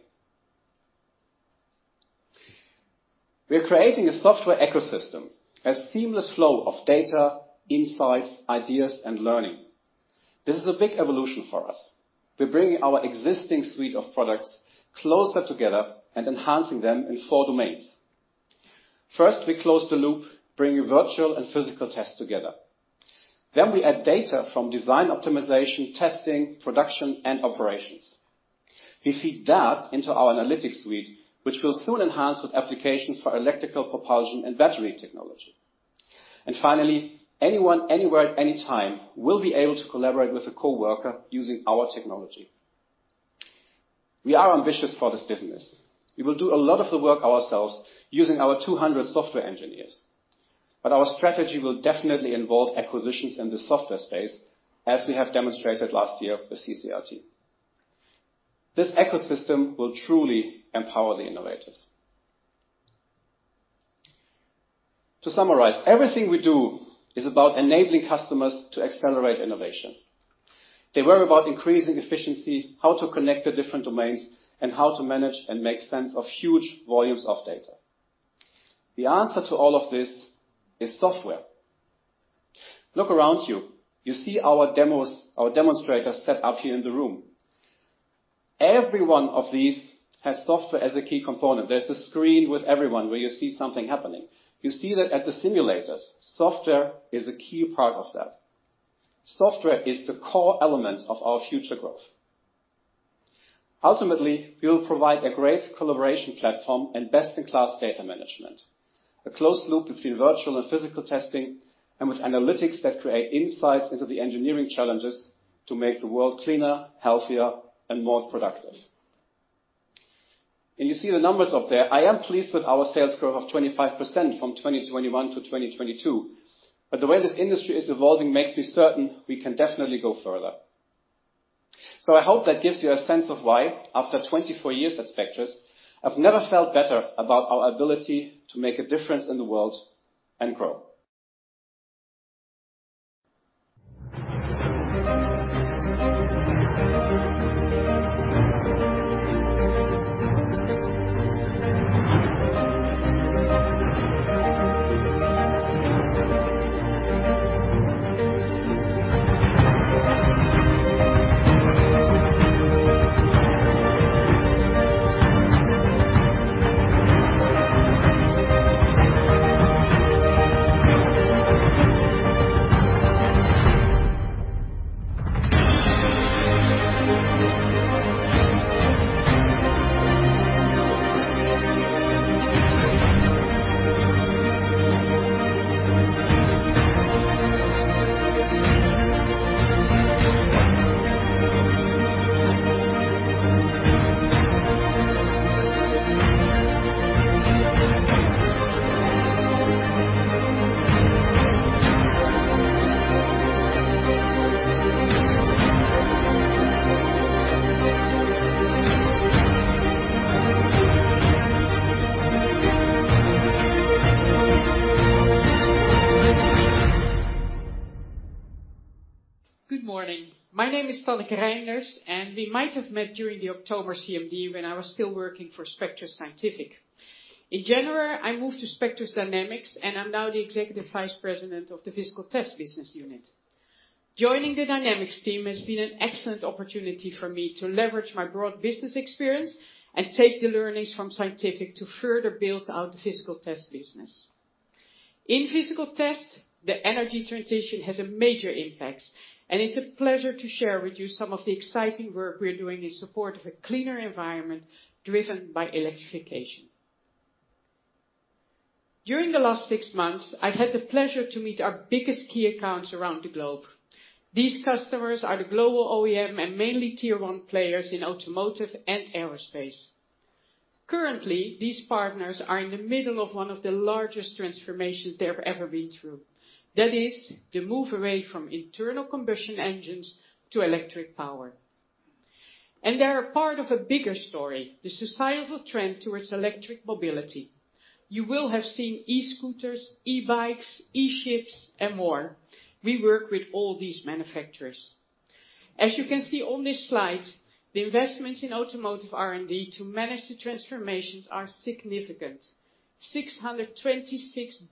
We are creating a software ecosystem, a seamless flow of data, insights, ideas, and learning. This is a big evolution for us. We're bringing our existing suite of products closer together and enhancing them in four domains. First, we close the loop, bringing virtual and physical tests together. We add data from design optimization, testing, production, and operations. We feed that into our analytics suite, which we'll soon enhance with applications for electrical propulsion and battery technology. Finally, anyone, anywhere, at any time, will be able to collaborate with a coworker using our technology. We are ambitious for this business. We will do a lot of the work ourselves using our 200 software engineers, but our strategy will definitely involve acquisitions in the software space, as we have demonstrated last year with Concurrent Real-Time. This ecosystem will truly empower the innovators. To summarize, everything we do is about enabling customers to accelerate innovation. They worry about increasing efficiency, how to connect the different domains, and how to manage and make sense of huge volumes of data. The answer to all of this is software. Look around you. You see our demos, our demonstrators, set up here in the room. Every one of these has software as a key component. There's a screen with every one where you see something happening. You see that at the simulators, software is a key part of that. Software is the core element of our future growth. Ultimately, we will provide a great collaboration platform and best-in-class data management, a closed loop between virtual and physical testing, and with analytics that create insights into the engineering challenges to make the world cleaner, healthier, and more productive. You see the numbers up there. I am pleased with our sales growth of 25% from 2021 to 2022. The way this industry is evolving makes me certain we can definitely go further. I hope that gives you a sense of why, after 24 years at Spectris, I've never felt better about our ability to make a difference in the world and grow. Good morning. My name is Tanneke Reinders, and we might have met during the October CMD when I was still working for Spectris Scientific. In January, I moved to Spectris Dynamics, and I'm now the Executive Vice President of the Physical Test Business Unit. Joining the Dynamics team has been an excellent opportunity for me to leverage my broad business experience and take the learnings from Scientific to further build out the physical test business. In physical test, the energy transition has a major impact, and it's a pleasure to share with you some of the exciting work we are doing in support of a cleaner environment, driven by electrification. During the last six months, I've had the pleasure to meet our biggest key accounts around the globe. These customers are the global OEM and mainly tier one players in automotive and aerospace. Currently, these partners are in the middle of one of the largest transformations they have ever been through. That is, the move away from internal combustion engines to electric power. They are part of a bigger story, the societal trend towards electric mobility. You will have seen e-scooters, e-bikes, e-ships, and more. We work with all these manufacturers. As you can see on this slide, the investments in automotive R&D to manage the transformations are significant, $626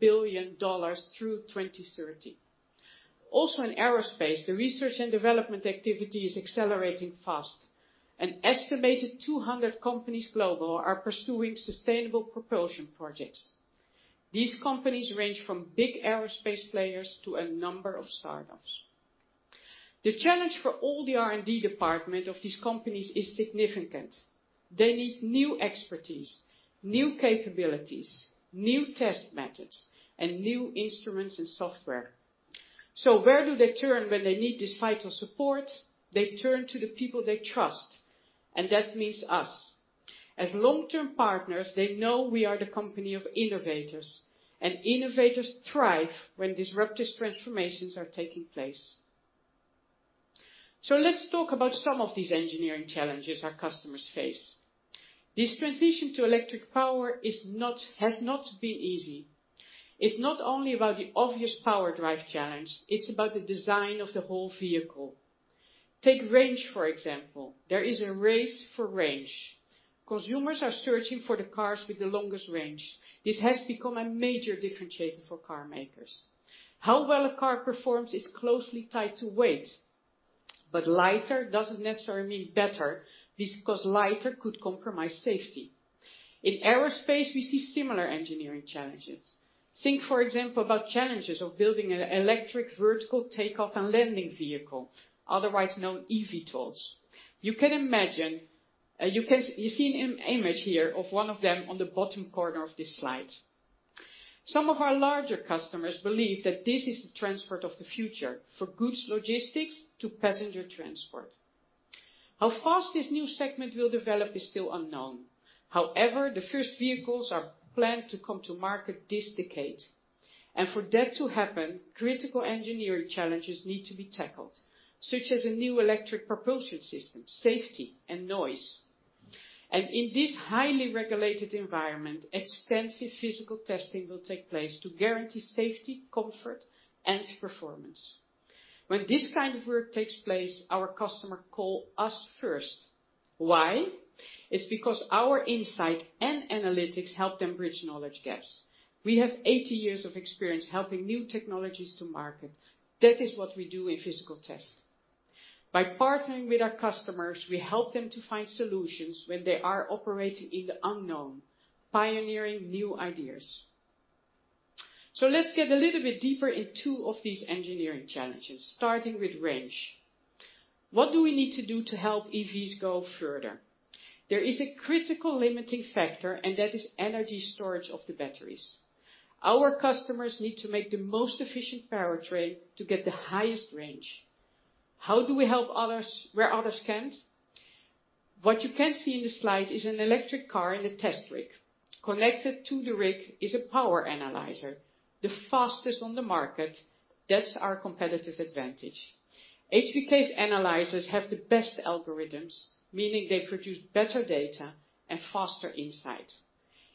billion through 2030. Also, in aerospace, the research and development activity is accelerating fast. An estimated 200 companies global are pursuing sustainable propulsion projects. These companies range from big aerospace players to a number of startups. The challenge for all the R&D department of these companies is significant. They need new expertise, new capabilities, new test methods, and new instruments and software. Where do they turn when they need this vital support? They turn to the people they trust, that means us. As long-term partners, they know we are the company of innovators thrive when disruptive transformations are taking place. Let's talk about some of these engineering challenges our customers face. This transition to electric power has not been easy. It's not only about the obvious power drive challenge, it's about the design of the whole vehicle. Take range, for example. There is a race for range. Consumers are searching for the cars with the longest range. This has become a major differentiator for car makers. How well a car performs is closely tied to weight, lighter doesn't necessarily mean better, because lighter could compromise safety. In aerospace, we see similar engineering challenges. Think, for example, about challenges of building an electric vertical take-off and landing vehicle, otherwise known eVTOLs. You can imagine. You see an image here of one of them on the bottom corner of this slide. Some of our larger customers believe that this is the transport of the future for goods, logistics, to passenger transport. How fast this new segment will develop is still unknown. The first vehicles are planned to come to market this decade, and for that to happen, critical engineering challenges need to be tackled, such as a new electric propulsion system, safety, and noise. In this highly regulated environment, extensive physical testing will take place to guarantee safety, comfort, and performance. When this kind of work takes place, our customer call us first. Why? It's because our insight and analytics help them bridge knowledge gaps. We have 80 years of experience helping new technologies to market. That is what we do in physical test. By partnering with our customers, we help them to find solutions when they are operating in the unknown, pioneering new ideas. Let's get a little bit deeper in two of these engineering challenges, starting with range. What do we need to do to help EVs go further? There is a critical limiting factor, and that is energy storage of the batteries. Our customers need to make the most efficient powertrain to get the highest range. How do we help others where others can't? What you can see in the slide is an electric car in a test rig. Connected to the rig is a power analyzer, the fastest on the market. That's our competitive advantage. HBK's analyzers have the best algorithms, meaning they produce better data and faster insight.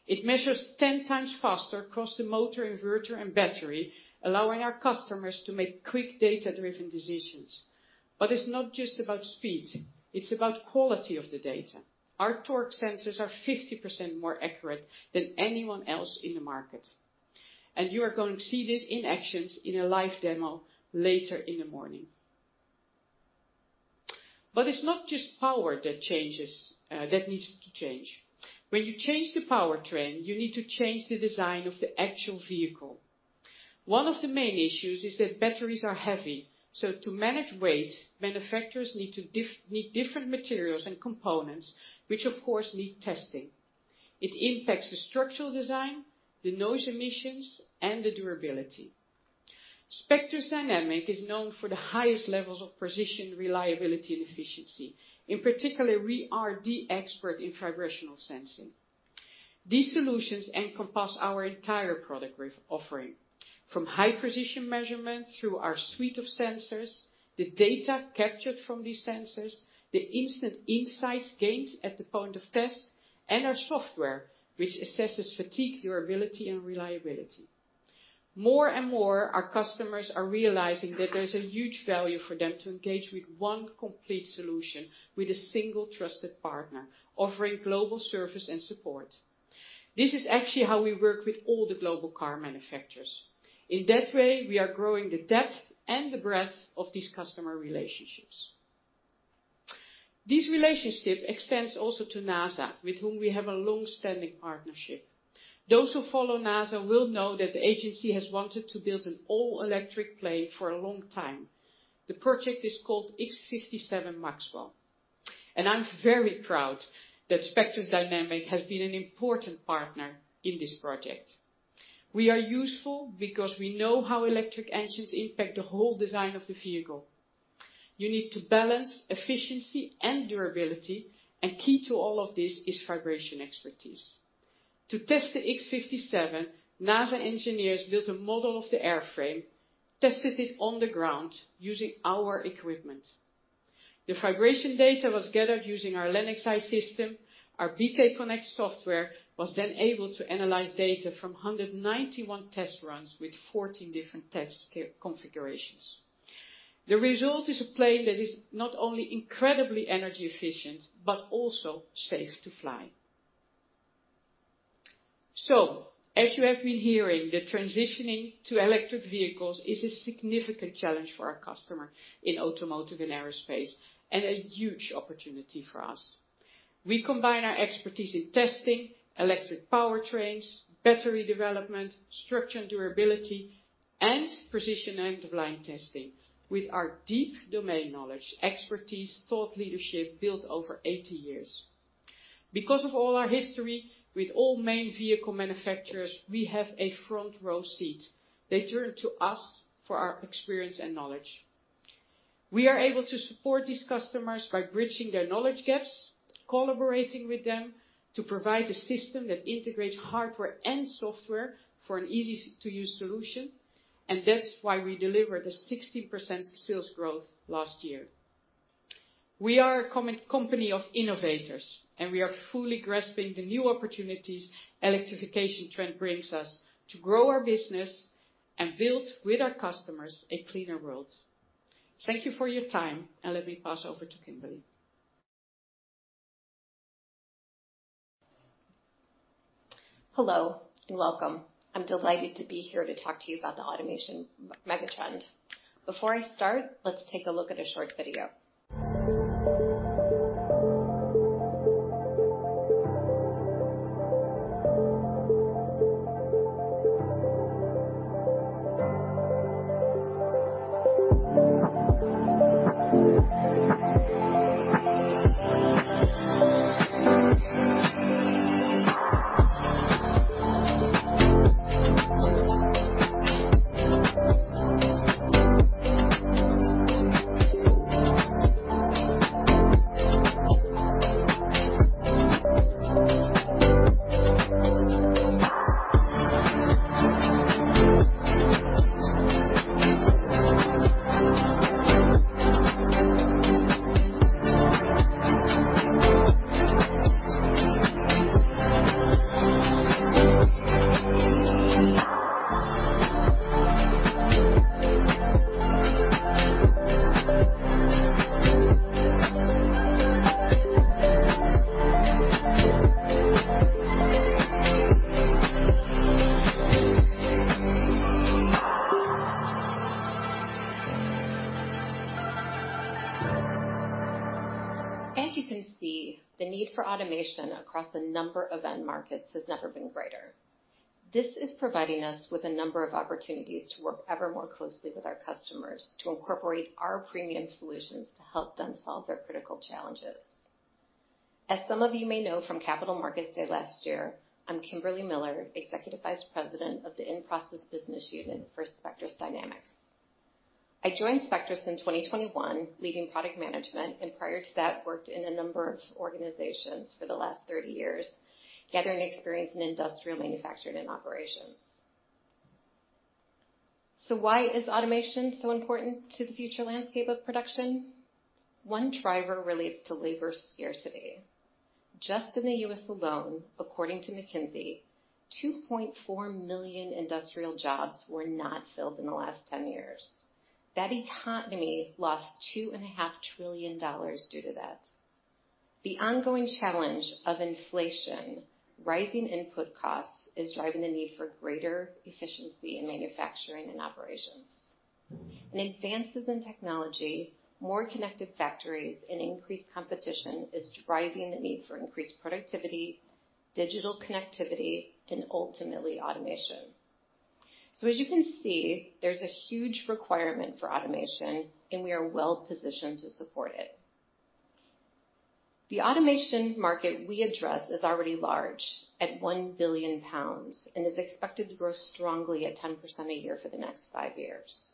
It measures 10 times faster across the motor, inverter, and battery, allowing our customers to make quick, data-driven decisions. It's not just about speed, it's about quality of the data. Our torque sensors are 50% more accurate than anyone else in the market, and you are going to see this in actions in a live demo later in the morning. It's not just power that changes, that needs to change. When you change the powertrain, you need to change the design of the actual vehicle. One of the main issues is that batteries are heavy, so to manage weight, manufacturers need different materials and components, which, of course, need testing. It impacts the structural design, the noise emissions, and the durability. Spectris Dynamics is known for the highest levels of precision, reliability, and efficiency. In particular, we are the expert in vibrational sensing. These solutions encompass our entire product with offering, from high precision measurements through our suite of sensors, the data captured from these sensors, the instant insights gained at the point of test, and our software, which assesses fatigue, durability, and reliability. More and more, our customers are realizing that there's a huge value for them to engage with one complete solution with a single trusted partner, offering global service and support. This is actually how we work with all the global car manufacturers. In that way, we are growing the depth and the breadth of these customer relationships. This relationship extends also to NASA, with whom we have a long-standing partnership. Those who follow NASA will know that the agency has wanted to build an all-electric plane for a long time. The project is called X-57 Maxwell, and I'm very proud that Spectris Dynamics has been an important partner in this project. We are useful because we know how electric engines impact the whole design of the vehicle. You need to balance efficiency and durability, and key to all of this is vibration expertise. To test the X-57, NASA engineers built a model of the airframe, tested it on the ground using our equipment. The vibration data was gathered using our LAN-XI system. BK Connect software was able to analyze data from 191 test runs with 14 different test configurations. The result is a plane that is not only incredibly energy efficient, but also safe to fly. As you have been hearing, the transitioning to electric vehicles is a significant challenge for our customer in automotive and aerospace, and a huge opportunity for us. We combine our expertise in testing, electric powertrains, battery development, structure and durability, and precision end-of-line testing with our deep domain knowledge, expertise, thought, leadership, built over 80 years. Of all our history with all main vehicle manufacturers, we have a front row seat. They turn to us for our experience and knowledge. We are able to support these customers by bridging their knowledge gaps, collaborating with them, to provide a system that integrates hardware and software for an easy-to-use solution, that's why we delivered a 16% sales growth last year. We are a company of innovators, we are fully grasping the new opportunities electrification trend brings us to grow our business and build with our customers a cleaner world. Thank you for your time, let me pass over to Kimberly. Hello, and welcome. I'm delighted to be here to talk to you about the automation megatrend. Before I start, let's take a look at a short video. As you can see, the need for automation across a number of end markets has never been greater. This is providing us with a number of opportunities to work ever more closely with our customers, to incorporate our premium solutions to help them solve their critical challenges. As some of you may know from Capital Markets Day last year, I'm Kimberly Miller, Executive Vice President of the In-Process Business Unit for Spectris Dynamics. I joined Spectris in 2021, leading product management, and prior to that, worked in a number of organizations for the last 30 years, gathering experience in industrial manufacturing and operations. Why is automation so important to the future landscape of production? One driver relates to labor scarcity. Just in the U.S. alone, according to McKinsey, 2.4 million industrial jobs were not filled in the last 10 years. That economy lost GBP 2.5 trillion due to that. The ongoing challenge of inflation, rising input costs, is driving the need for greater efficiency in manufacturing and operations. Advances in technology, more connected factories, and increased competition is driving the need for increased productivity, digital connectivity, and ultimately, automation. As you can see, there's a huge requirement for automation, and we are well positioned to support it. The automation market we address is already large, at 1 billion pounds, and is expected to grow strongly at 10% a year for the next 5 years.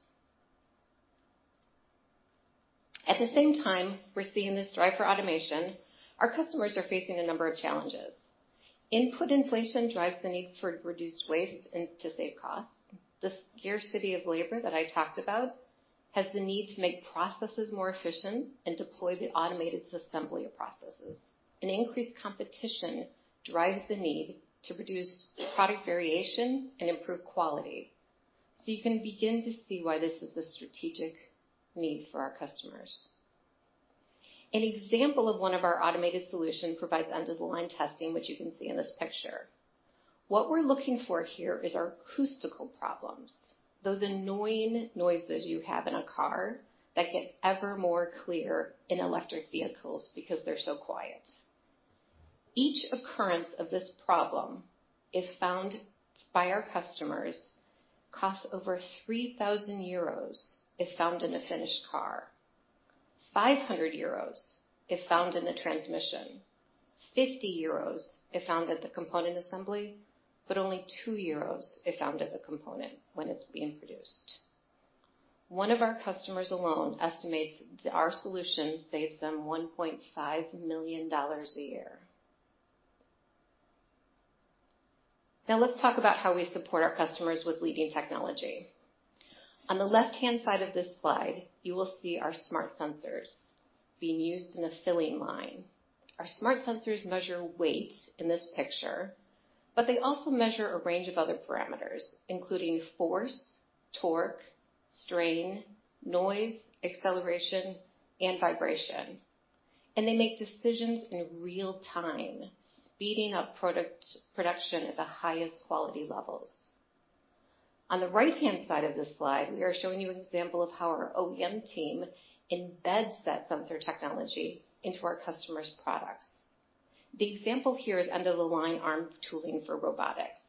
At the same time, we're seeing this drive for automation, our customers are facing a number of challenges. Input inflation drives the need for reduced waste and to save costs. The scarcity of labor that I talked about has the need to make processes more efficient and deploy the automated assembly of processes. Increased competition drives the need to produce product variation and improve quality. You can begin to see why this is a strategic need for our customers. An example of one of our automated solution provides end-of-the-line testing, which you can see in this picture. What we're looking for here is acoustical problems, those annoying noises you have in a car that get ever more clear in electric vehicles because they're so quiet. Each occurrence of this problem, if found by our customers, costs over 3,000 euros, if found in a finished car. 500 euros, if found in a transmission, 50 euros, if found at the component assembly, but only 2 euros, if found at the component when it's being produced. One of our customers alone estimates that our solution saves them $1.5 million a year. Now, let's talk about how we support our customers with leading technology. On the left-hand side of this slide, you will see our smart sensors being used in a filling line. Our smart sensors measure weight in this picture, but they also measure a range of other parameters, including force, torque, strain, noise, acceleration, and vibration. They make decisions in real time, speeding up product production at the highest quality levels. On the right-hand side of this slide, we are showing you an example of how our OEM team embeds that sensor technology into our customer's products. The example here is end-of-the-line arm tooling for robotics.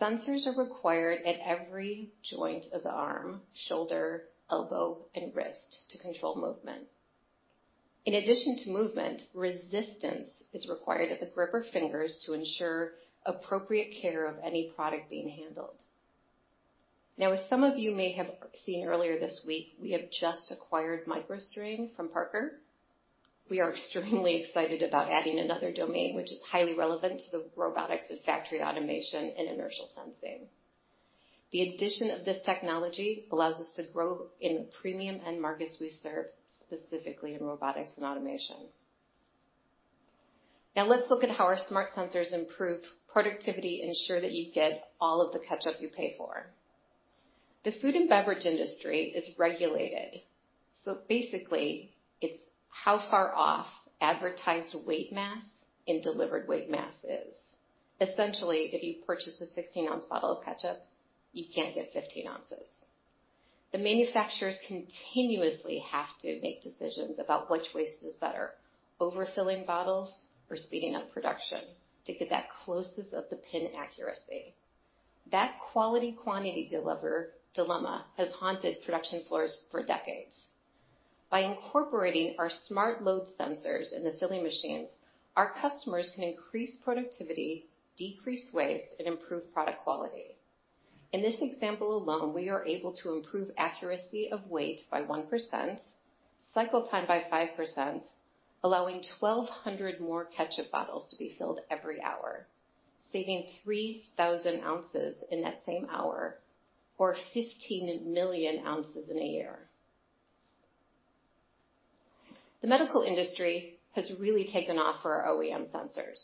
Sensors are required at every joint of the arm, shoulder, elbow, and wrist to control movement. In addition to movement, resistance is required at the gripper fingers to ensure appropriate care of any product being handled. As some of you may have seen earlier this week, we have just acquired MicroStrain from Parker Hannifin. We are extremely excited about adding another domain, which is highly relevant to the robotics and factory automation and inertial sensing. The addition of this technology allows us to grow in the premium end markets we serve, specifically in robotics and automation. Let's look at how our smart sensors improve productivity and ensure that you get all of the ketchup you pay for. The food and beverage industry is regulated, basically, it's how far off advertised weight mass and delivered weight mass is. Essentially, if you purchase a 16-ounce bottle of ketchup, you can't get 15 ounces. The manufacturers continuously have to make decisions about which waste is better, overfilling bottles or speeding up production, to get that closest of the pin accuracy. That quality, quantity dilemma has haunted production floors for decades. By incorporating our smart load sensors in the filling machines, our customers can increase productivity, decrease waste, and improve product quality. In this example alone, we are able to improve accuracy of weight by 1%, cycle time by 5%, allowing 1,200 more ketchup bottles to be filled every hour, saving 3,000 ounces in that same hour or 15 million ounces in a year. The medical industry has really taken off for our OEM sensors.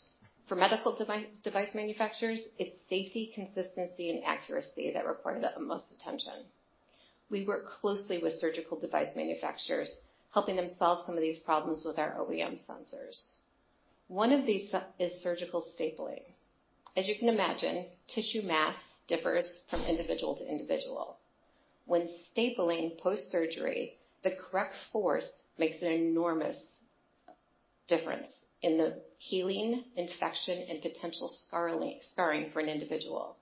For medical device manufacturers, it's safety, consistency, and accuracy that require the utmost attention. We work closely with surgical device manufacturers, helping them solve some of these problems with our OEM sensors. One of these is surgical stapling. As you can imagine, tissue mass differs from individual to individual. When stapling post-surgery, the correct force makes an enormous difference in the healing, infection, and potential scarring for an individual.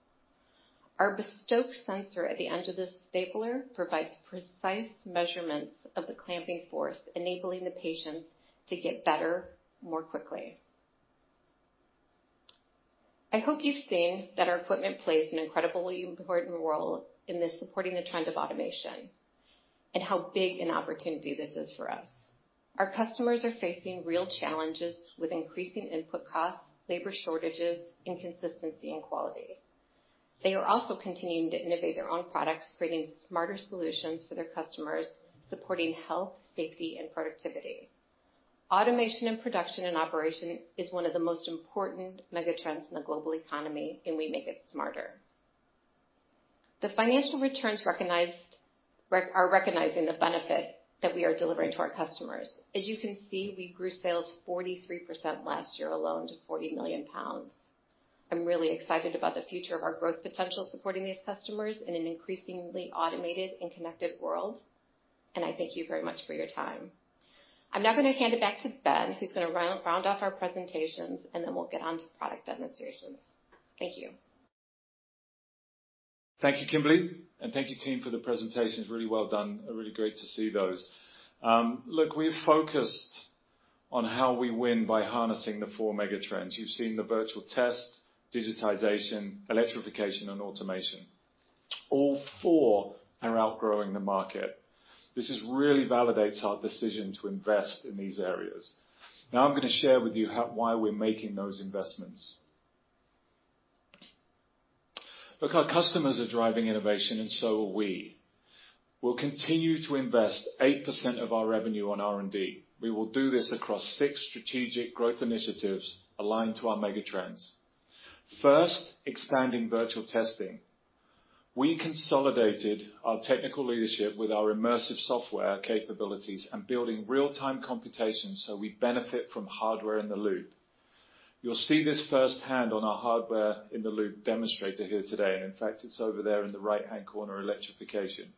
Our bespoke sensor at the end of the stapler provides precise measurements of the clamping force, enabling the patients to get better more quickly. I hope you've seen that our equipment plays an incredibly important role in this, supporting the trend of automation and how big an opportunity this is for us. Our customers are facing real challenges with increasing input costs, labor shortages, inconsistency, and quality. They are also continuing to innovate their own products, creating smarter solutions for their customers, supporting health, safety, and productivity. Automation in production and operation is one of the most important megatrends in the global economy. We make it smarter. The financial returns recognized are recognizing the benefit that we are delivering to our customers. As you can see, we grew sales 43% last year alone to 40 million pounds. I'm really excited about the future of our growth potential, supporting these customers in an increasingly automated and connected world. I thank you very much for your time. I'm now gonna hand it back to Ben, who's gonna round off our presentations. We'll get on to the product demonstrations. Thank you. Thank you, Kimberly, and thank you, team, for the presentations. Really well done, really great to see those. Look, we've focused on how we win by harnessing the 4 mega trends. You've seen the Virtual Test, digitization, electrification, and automation. All 4 are outgrowing the market. This really validates our decision to invest in these areas. Now I'm going to share with you how, why we're making those investments. Look, our customers are driving innovation, and so are we. We'll continue to invest 8% of our revenue on R&D. We will do this across 6 strategic growth initiatives aligned to our mega trends. First, expanding virtual testing. We consolidated our technical leadership with our immersive software capabilities and building real-time computations, so we benefit from hardware-in-the-loop. You'll see this firsthand on our hardware-in-the-loop demonstrator here today, in fact, it's over there in the right-hand corner, electrification.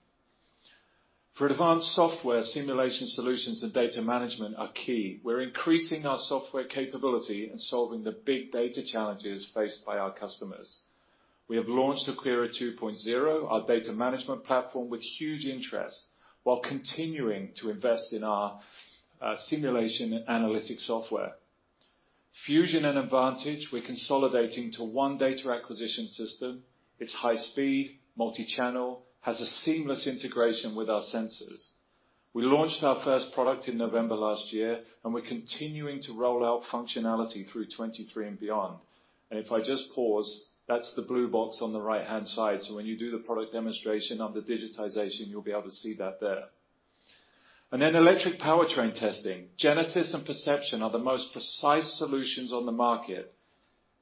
For advanced software, simulation solutions and data management are key. We're increasing our software capability and solving the big data challenges faced by our customers. We have launched Aqira 2.0, our data management platform, with huge interest, while continuing to invest in our simulation and analytic software. Fusion and Advantage, we're consolidating to one data acquisition system. It's high-speed, multi-channel, has a seamless integration with our sensors. We launched our first product in November last year, we're continuing to roll out functionality through 2023 and beyond. If I just pause, that's the blue box on the right-hand side. When you do the product demonstration of the digitization, you'll be able to see that there. Then electric powertrain testing. Genesis and Perception are the most precise solutions on the market.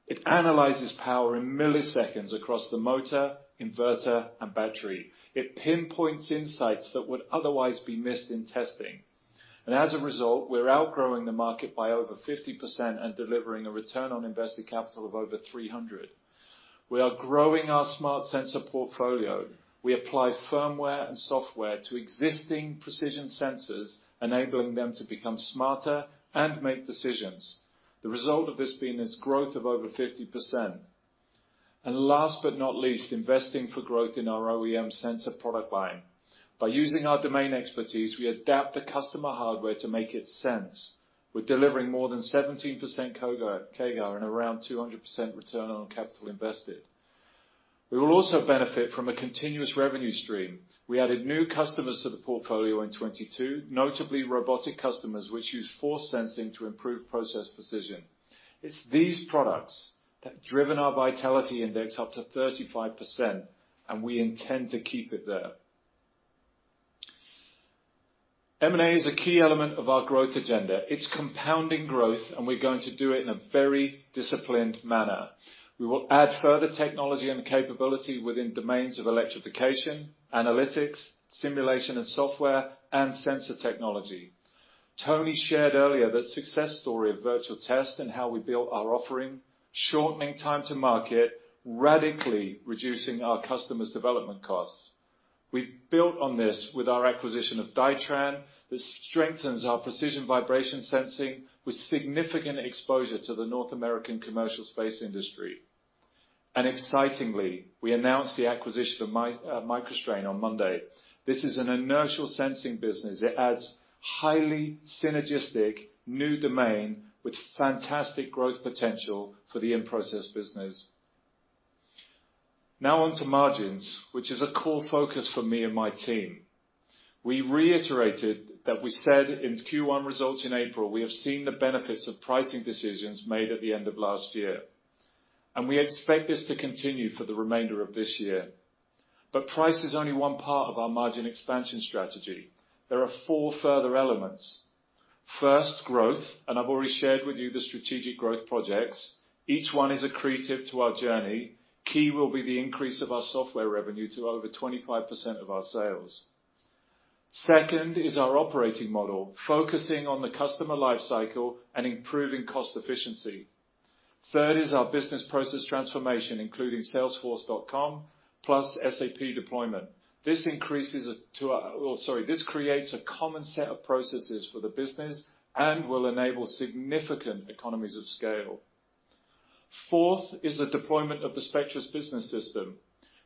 It analyzes power in milliseconds across the motor, inverter, and battery. It pinpoints insights that would otherwise be missed in testing. As a result, we're outgrowing the market by over 50% and delivering a return on invested capital of over 300. We are growing our smart sensor portfolio. We apply firmware and software to existing precision sensors, enabling them to become smarter and make decisions. The result of this being is growth of over 50%. Last but not least, investing for growth in our OEM sensor product line. By using our domain expertise, we adapt the customer hardware to make it sense. We're delivering more than 17% CAGR and around 200% return on capital invested. We will also benefit from a continuous revenue stream. We added new customers to the portfolio in 2022, notably robotic customers, which use force sensing to improve process precision. It's these products that driven our vitality index up to 35%, We intend to keep it there. M&A is a key element of our growth agenda. It's compounding growth, We're going to do it in a very disciplined manner. We will add further technology and capability within domains of electrification, analytics, simulation and software, and sensor technology. Tony shared earlier the success story of Virtual Test and how we built our offering, shortening time to market, radically reducing our customers' development costs. We've built on this with our acquisition of Dytran. This strengthens our precision vibration sensing with significant exposure to the North American commercial space industry. Excitingly, we announced the acquisition of MicroStrain on Monday. This is an inertial sensing business. It adds highly synergistic new domain with fantastic growth potential for the in-process business. On to margins, which is a core focus for me and my team. We reiterated that we said in Q1 results in April, we have seen the benefits of pricing decisions made at the end of last year. We expect this to continue for the remainder of this year. Price is only one part of our margin expansion strategy. There are four further elements. First, growth. I've already shared with you the strategic growth projects. Each one is accretive to our journey. Key will be the increase of our software revenue to over 25% of our sales. Second is our operating model, focusing on the customer life cycle and improving cost efficiency. Third is our business process transformation, including Salesforce.com plus SAP deployment. This increases it to... Sorry, this creates a common set of processes for the business and will enable significant economies of scale. Fourth is the deployment of the Spectris Business System,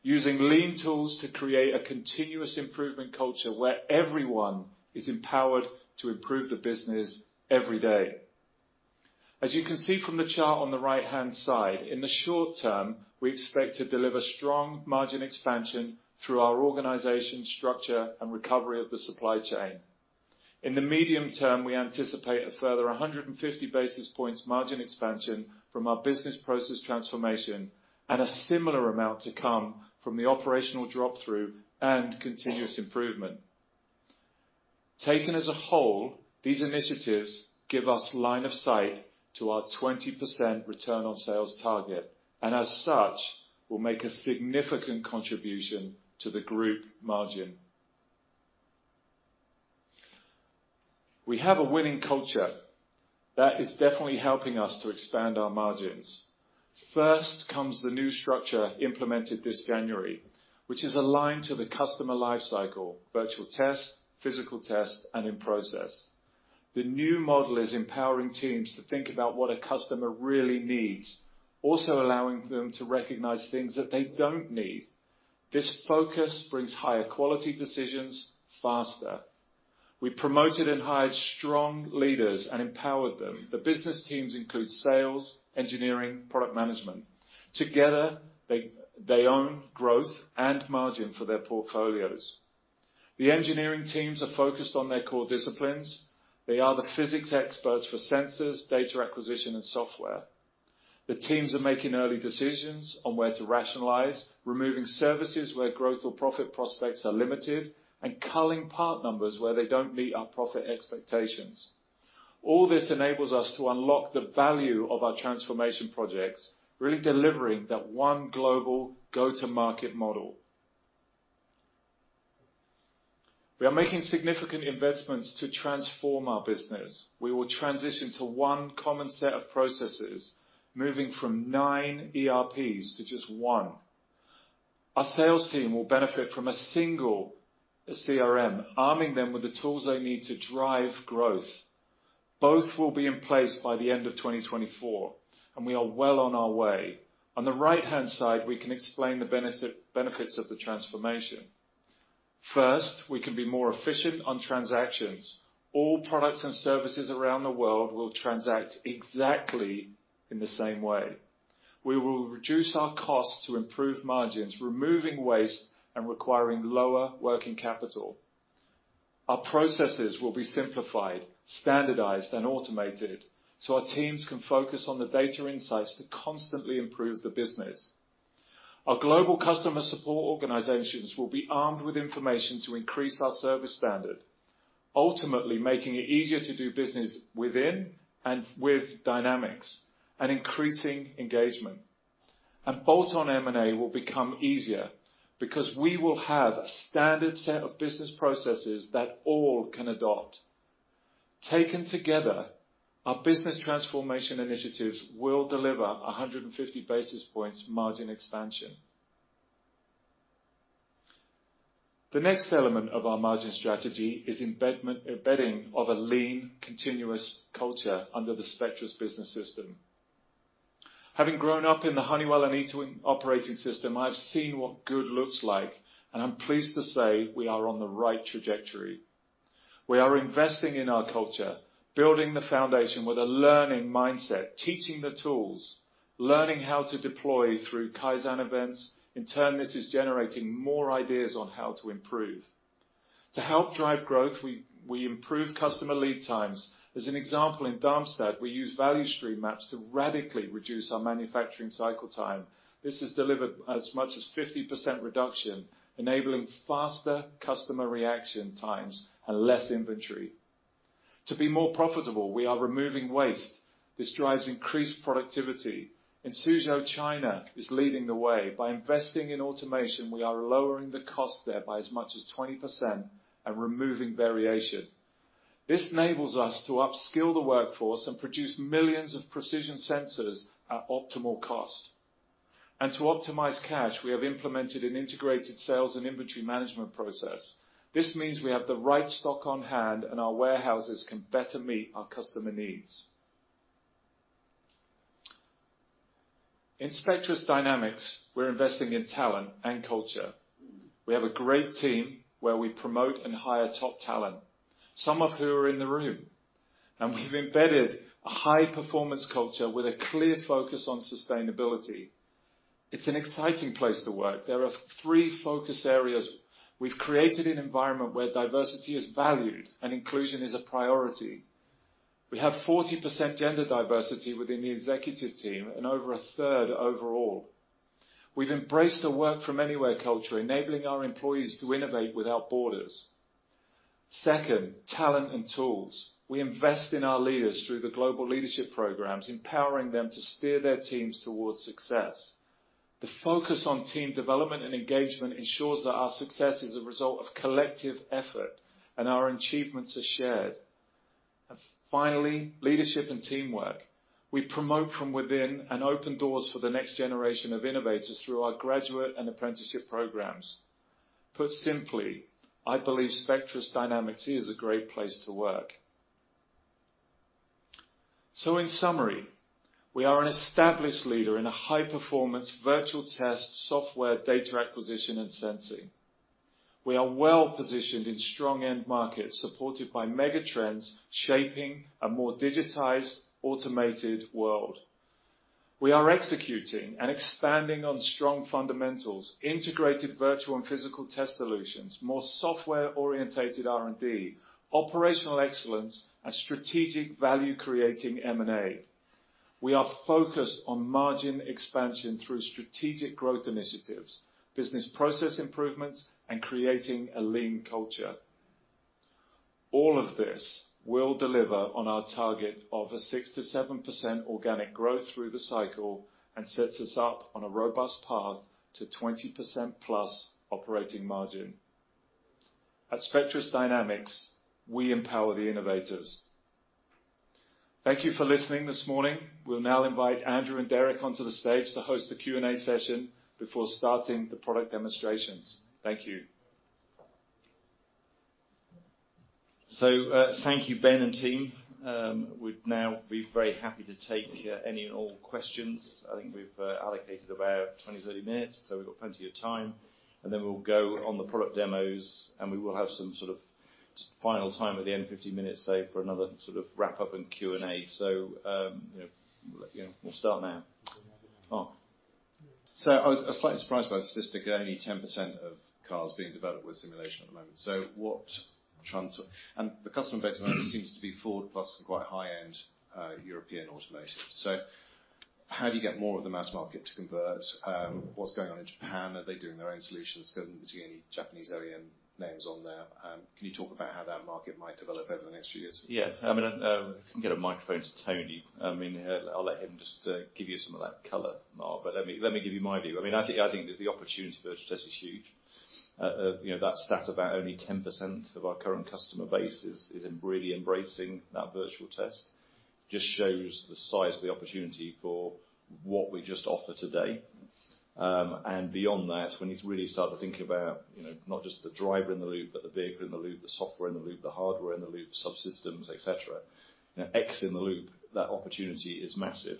using lean tools to create a continuous improvement culture where everyone is empowered to improve the business every day. You can see from the chart on the right-hand side, in the short term, we expect to deliver strong margin expansion through our organization, structure, and recovery of the supply chain. In the medium term, we anticipate a further 150 basis points margin expansion from our business process transformation and a similar amount to come from the operational drop-through and continuous improvement. Taken as a whole, these initiatives give us line of sight to our 20% return on sales target, and as such, will make a significant contribution to the group margin. We have a winning culture that is definitely helping us to expand our margins. First comes the new structure implemented this January, which is aligned to the customer life cycle, virtual test, physical test, and in-process. The new model is empowering teams to think about what a customer really needs, also allowing them to recognize things that they don't need. This focus brings higher quality decisions faster. We promoted and hired strong leaders and empowered them. The business teams include sales, engineering, product management. Together, they own growth and margin for their portfolios. The engineering teams are focused on their core disciplines. They are the physics experts for sensors, data acquisition, and software. The teams are making early decisions on where to rationalize, removing services where growth or profit prospects are limited, and culling part numbers where they don't meet our profit expectations. All this enables us to unlock the value of our transformation projects, really delivering that one global go-to-market model. We are making significant investments to transform our business. We will transition to one common set of processes, moving from nine ERPs to just one. Our sales team will benefit from a single CRM, arming them with the tools they need to drive growth. Both will be in place by the end of 2024, and we are well on our way. On the right-hand side, we can explain the benefits of the transformation. First, we can be more efficient on transactions. All products and services around the world will transact exactly in the same way. We will reduce our costs to improve margins, removing waste, and requiring lower working capital. Our processes will be simplified, standardized, and automated, so our teams can focus on the data insights to constantly improve the business. Our global customer support organizations will be armed with information to increase our service standard, ultimately making it easier to do business within and with Dynamics and increasing engagement. Bolt-on M&A will become easier because we will have a standard set of business processes that all can adopt. Taken together, our business transformation initiatives will deliver 150 basis points margin expansion. The next element of our margin strategy is embedding of a lean, continuous culture under the Spectris Business System. Having grown up in the Honeywell and ITW operating system, I've seen what good looks like, and I'm pleased to say we are on the right trajectory. We are investing in our culture, building the foundation with a learning mindset, teaching the tools, learning how to deploy through Kaizen events. In turn, this is generating more ideas on how to improve. To help drive growth, we improve customer lead times. As an example, in Darmstadt, we use value stream maps to radically reduce our manufacturing cycle time. This has delivered as much as 50% reduction, enabling faster customer reaction times and less inventory. To be more profitable, we are removing waste. This drives increased productivity. In Suzhou, China is leading the way. By investing in automation, we are lowering the cost there by as much as 20% and removing variation. This enables us to upskill the workforce and produce millions of precision sensors at optimal cost. To optimize cash, we have implemented an integrated sales and inventory management process. This means we have the right stock on hand, and our warehouses can better meet our customer needs. In Spectris Dynamics, we're investing in talent and culture. We have a great team where we promote and hire top talent, some of who are in the room, and we've embedded a high-performance culture with a clear focus on sustainability. It's an exciting place to work. There are three focus areas. We've created an environment where diversity is valued and inclusion is a priority. We have 40% gender diversity within the executive team and over a third overall. We've embraced a work from anywhere culture, enabling our employees to innovate without borders. Second, talent and tools. We invest in our leaders through the global leadership programs, empowering them to steer their teams towards success. The focus on team development and engagement ensures that our success is a result of collective effort and our achievements are shared. Finally, leadership and teamwork. We promote from within and open doors for the next generation of innovators through our graduate and apprenticeship programs. Put simply, I believe Spectris Dynamics is a great place to work. In summary, we are an established leader in a high-performance virtual test, software, data acquisition, and sensing. We are well-positioned in strong end markets, supported by mega trends, shaping a more digitized, automated world. We are executing and expanding on strong fundamentals, integrated virtual and physical test solutions, more software-orientated R&D, operational excellence, and strategic value-creating M&A. We are focused on margin expansion through strategic growth initiatives, business process improvements, and creating a lean culture. All of this will deliver on our target of a 6%-7% organic growth through the cycle and sets us up on a robust path to 20%+ operating margin. At Spectris Dynamics, we empower the innovators. Thank you for listening this morning. We'll now invite Andrew and Derek onto the stage to host a Q&A session before starting the product demonstrations. Thank you. Thank you, Ben and team. We'd now be very happy to take any and all questions. I think we've allocated about 20-30 minutes, so we've got plenty of time, and then we'll go on the product demos, and we will have some sort of final time at the end, 15 minutes say, for another sort of wrap up and Q&A. You know, yeah, we'll start now. Mark. I was slightly surprised by the statistic, only 10% of cars being developed with simulation at the moment. The customer base seems to be Ford, plus some quite high-end European automotive. How do you get more of the mass market to convert? What's going on in Japan? Are they doing their own solutions? Because I didn't see any Japanese OEM names on there. Can you talk about how that market might develop over the next few years? Yeah, I mean, I, if we can get a microphone to Tony. I mean, I'll let him just give you some of that color, Mark, but let me, let me give you my view. I mean, I think, I think the opportunity for virtual test is huge. You know, that stat about only 10% of our current customer base is really embracing that virtual test, just shows the size of the opportunity for what we just offer today. Beyond that, when you really start to think about, you know, not just the driver-in-the-loop, but the vehicle-in-the-loop, the software-in-the-loop, the hardware-in-the-loop, subsystems, et cetera. You know, X-in-the-loop, that opportunity is massive.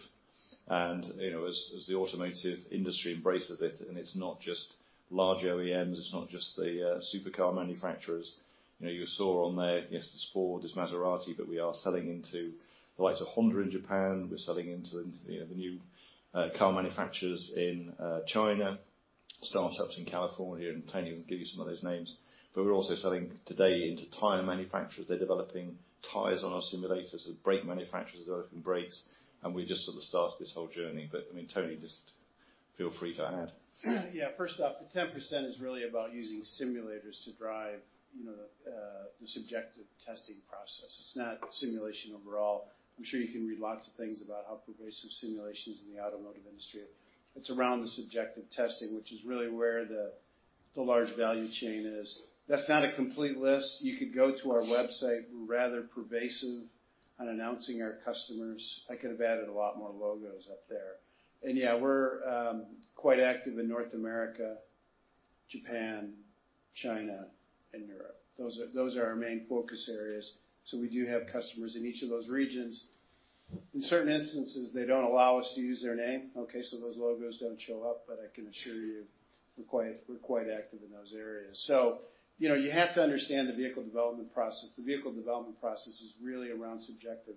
You know, as the automotive industry embraces it, and it's not just large OEMs, it's not just the supercar manufacturers. You know, you saw on there, yes, there's Ford, there's Maserati, we are selling into the likes of Honda in Japan, we're selling into, you know, the new car manufacturers in China, startups in California, and Tony will give you some of those names. We are also selling today into tire manufacturers. They're developing tires on our simulators, and brake manufacturers are developing brakes, and we're just at the start of this whole journey. I mean, Tony, just feel free to add. Yeah, first off, the 10% is really about using simulators to drive, you know, the subjective testing process. It's not simulation overall. I'm sure you can read lots of things about how pervasive simulation is in the automotive industry. It's around the subjective testing, which is really where the large value chain is. That's not a complete list. You could go to our website, we're rather pervasive on announcing our customers. I could have added a lot more logos up there. Yeah, we're quite active in North America, Japan, China, and Europe. Those are our main focus areas, so we do have customers in each of those regions. In certain instances, they don't allow us to use their name, okay, so those logos don't show up, but I can assure you, we're quite active in those areas. You know, you have to understand the vehicle development process. The vehicle development process is really around subjective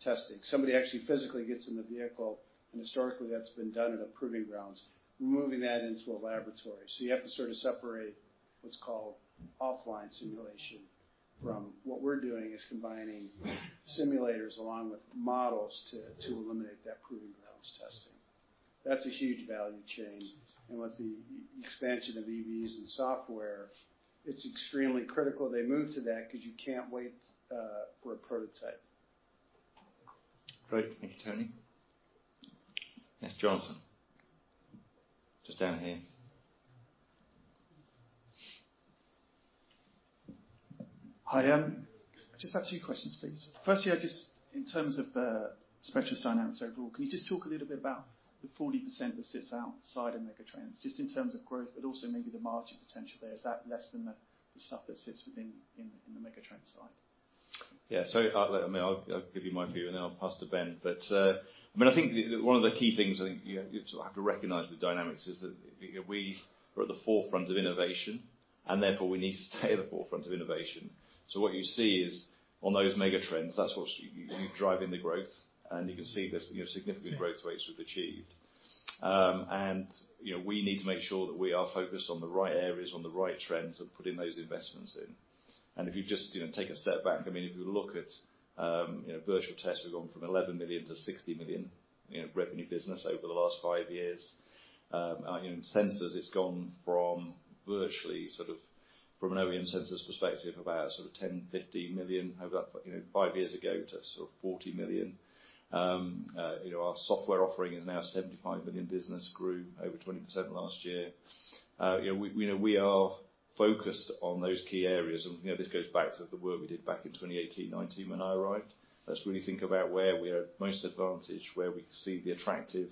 testing. Somebody actually physically gets in the vehicle, and historically, that's been done at a proving grounds. We're moving that into a laboratory. You have to sort of separate what's called offline simulation. What we're doing is combining simulators along with models to eliminate that proving grounds testing. That's a huge value chain, and with the expansion of EVs and software, it's extremely critical they move to that because you can't wait for a prototype. Great. Thank you, Tony. Yes, Jonathan. Just down here. Hi, I have two questions, please. Firstly, in terms of the Spectris Dynamics overall, can you just talk a little bit about the 40% that sits outside of megatrends, just in terms of growth, but also maybe the margin potential there? Is that less than the stuff that sits within in the megatrend side? Yeah. I'll give you my view, and then I'll pass to Ben. I think one of the key things, I think, you know, you have to recognize the Dynamics is that we are at the forefront of innovation, and therefore we need to stay at the forefront of innovation. What you see is on those megatrends, that's what's driving the growth, and you can see there's, you know, significant growth rates we've achieved. You know, we need to make sure that we are focused on the right areas, on the right trends, and putting those investments in. If you just, you know, take a step back, if you look at, you know, virtual tests, we've gone from 11 million to 60 million in revenue business over the last 5 years. you know, in sensors, it's gone from virtually sort of from an OEM sensors perspective about sort of 10 million, 50 million over, you know, 5 years ago to sort of 40 million. you know, our software offering is now a 75 million business, grew over 20% last year. you know, we know we are focused on those key areas, you know, this goes back to the work we did back in 2018, 2019 when I arrived. Let's really think about where we are at most advantage, where we can see the attractive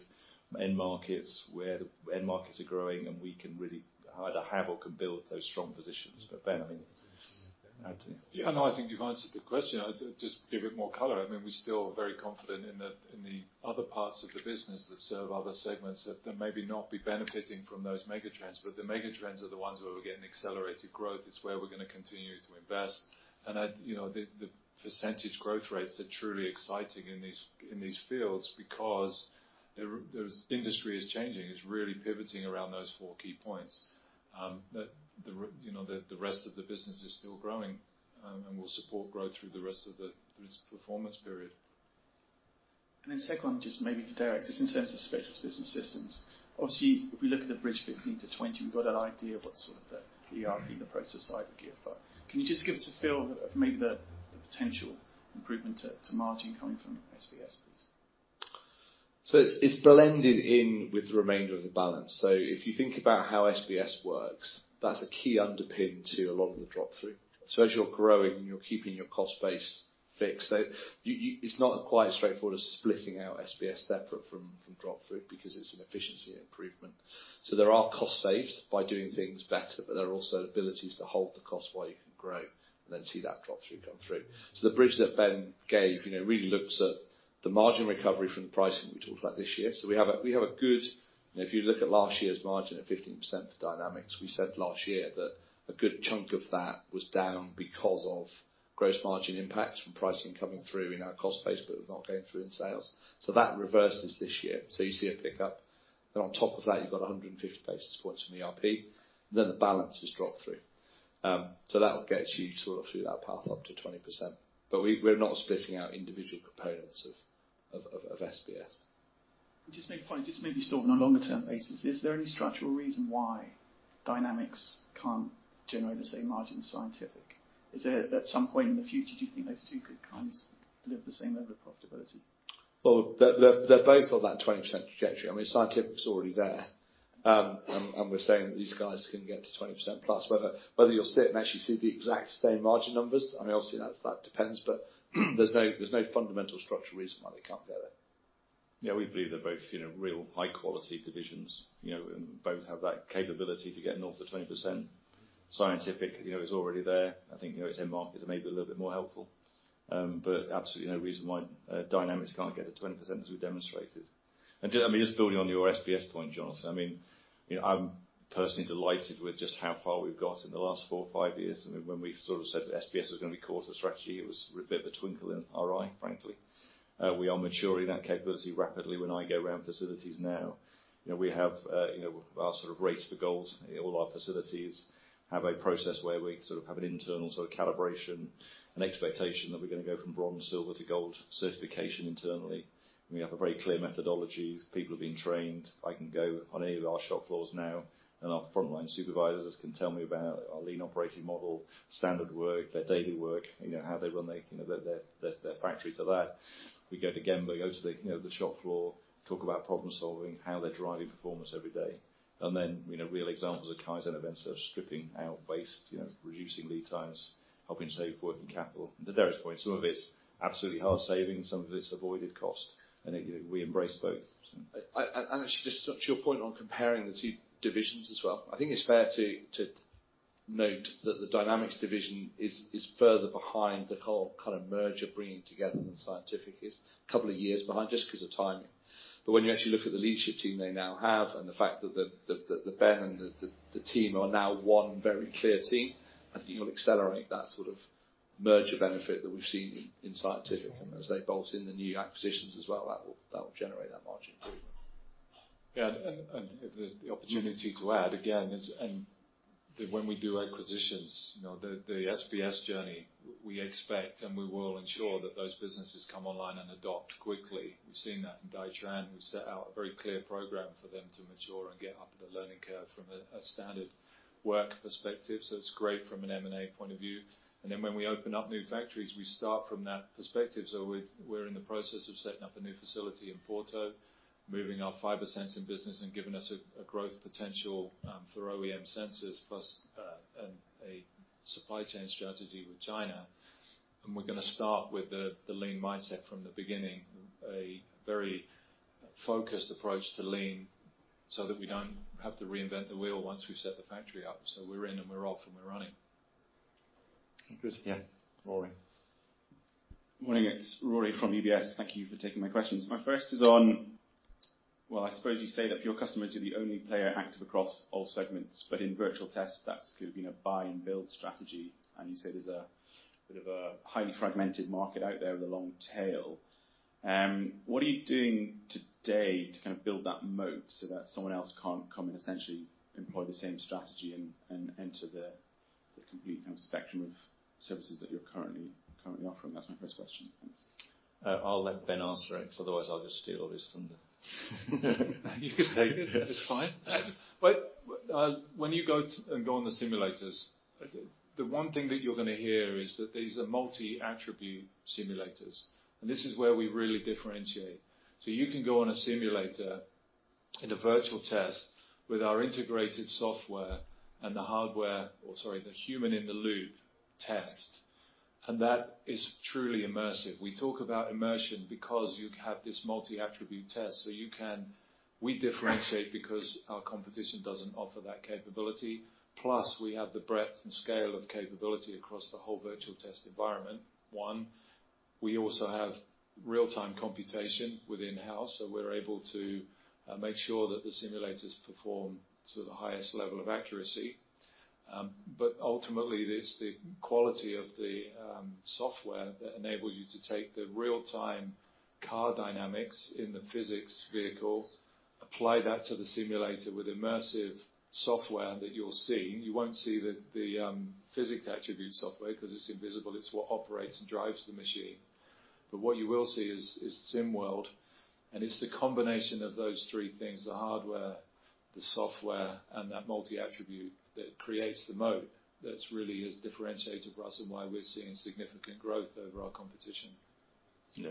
end markets, where the end markets are growing, and we can really either have or can build those strong positions. Ben, I mean, add to it. Yeah, no, I think you've answered the question. I'll just give it more color. I mean, we're still very confident in the, in the other parts of the business that serve other segments that may not be benefiting from those megatrends, but the megatrends are the ones where we're getting accelerated growth. It's where we're going to continue to invest. You know, the percentage growth rates are truly exciting in these fields because the industry is changing. It's really pivoting around those four key points. You know, the rest of the business is still growing, and will support growth through the rest of the this performance period. Second, just maybe, Derek, just in terms of Spectris Business Systems. Obviously, if we look at the bridge 15-20, we've got an idea of what sort of the ERP and the process side would give. Can you just give us a feel of maybe the potential improvement to margin coming from SBS, please? It's blended in with the remainder of the balance. If you think about how SBS works, that's a key underpin to a lot of the drop-through. As you're growing, you're keeping your cost base fixed. It's not quite as straightforward as splitting out SBS separate from drop-through because it's an efficiency improvement. There are cost saves by doing things better, but there are also abilities to hold the cost while you can grow and then see that drop-through come through. The bridge that Ben gave, you know, really looks at the margin recovery from the pricing we talked about this year. If you look at last year's margin of 15% for Dynamics, we said last year that a good chunk of that was down because of gross margin impacts from pricing coming through in our cost base, but not going through in sales. That reverses this year. You see a pickup, and on top of that, you've got 150 basis points from ERP, then the balance is dropped through. That will get you sort of through that path up to 20%. We're not splitting out individual components of SBS. Just make a point, just maybe still on a longer-term basis, is there any structural reason why Dynamics can't generate the same margin as Scientific? Is there, at some point in the future, do you think those two could kind of live the same level of profitability? Well, they're both on that 20% trajectory. I mean, Scientific is already there. We're saying that these guys can get to 20% plus. Whether you'll sit and actually see the exact same margin numbers, I mean, obviously, that depends, but there's no fundamental structural reason why they can't get there. Yeah, we believe they're both, you know, real high-quality divisions. You know, both have that capability to get north of 20%. Scientific, you know, is already there. I think, you know, its end markets are maybe a little bit more helpful. But absolutely no reason why Dynamics can't get to 20%, as we've demonstrated. Just, I mean, just building on your SBS point, Jonathan. I mean, you know, I'm personally delighted with just how far we've got in the last 4 or 5 years. I mean, when we sort of said that SBS was gonna be core to the strategy, it was bit of a twinkle in our eye, frankly. We are maturing that capability rapidly. When I go around facilities now, you know, we have, you know, our sort of race for gold. All our facilities have a process where we sort of have an internal sort of calibration and expectation that we're gonna go from bronze, silver to gold certification internally. We have a very clear methodology. People are being trained. I can go on any of our shop floors now, our frontline supervisors can tell me about our lean operating model, standard work, their daily work, you know, how they run their, you know, their factory to that. We go to gemba, we go to the, you know, shop floor, talk about problem-solving, how they're driving performance every day. You know, real examples of Kaizen events, such as stripping out waste, you know, reducing lead times, helping save working capital. To Derek's point, some of it's absolutely hard savings, some of it's avoided cost, and, you know, we embrace both. I, and actually, just to your point on comparing the two divisions as well, I think it's fair to note that the Dynamics division is further behind the whole kind of merger, bringing together the Scientific is. A couple of years behind, just because of timing. But when you actually look at the leadership team they now have, and the fact that the, that Ben and the team are now one very clear team, I think it will accelerate that sort of merger benefit that we've seen in Scientific. As they bolt in the new acquisitions as well, that will generate that margin improvement. Yeah, and if there's the opportunity to add again, when we do acquisitions, you know, the SBS journey, we expect, and we will ensure that those businesses come online and adopt quickly. We've seen that in Dytran, we've set out a very clear program for them to mature and get up to the learning curve from a standard work perspective. It's great from an M&A point of view. Then, when we open up new factories, we start from that perspective. We're in the process of setting up a new facility in Porto, moving our fiber sensing business and giving us a growth potential for OEM sensors, plus a supply chain strategy with China. We're gonna start with the lean mindset from the beginning, a very focused approach to lean so that we don't have to reinvent the wheel once we've set the factory up. We're in, and we're off, and we're running. Morning, it's Rory from UBS. Thank you for taking my questions. My first is on. I suppose you say that for your customers, you're the only player active across all segments, but in virtual test, that's kind of been a buy and build strategy. You say there's a bit of a highly fragmented market out there with a long tail. What are you doing today to kind of build that moat so that someone else can't come and essentially employ the same strategy and enter the complete kind of spectrum of services that you're currently offering? That's my first question. Thanks. I'll let Ben answer it, because otherwise I'll just steal all his thunder. You can take it. It's fine. When you go on the simulators, the one thing that you're gonna hear is that these are multi-attribute simulators, and this is where we really differentiate. You can go on a simulator in a virtual test with our integrated software and the hardware, or sorry, the human-in-the-loop test, and that is truly immersive. We talk about immersion because you have this multi-attribute test. We differentiate because our competition doesn't offer that capability. We have the breadth and scale of capability across the whole virtual test environment, one. We also have real-time computation in-house. We're able to make sure that the simulators perform to the highest level of accuracy. Ultimately, it is the quality of the software that enables you to take the real-time car dynamics in the physics vehicle, apply that to the simulator with immersive software that you'll see. You won't see the physics attribute software, because it's invisible. It's what operates and drives the machine. What you will see is VI-WorldSim, and it's the combination of those three things, the hardware, the software, and that multi-attribute, that creates the moat. That's really is differentiator for us and why we're seeing significant growth over our competition. Yeah.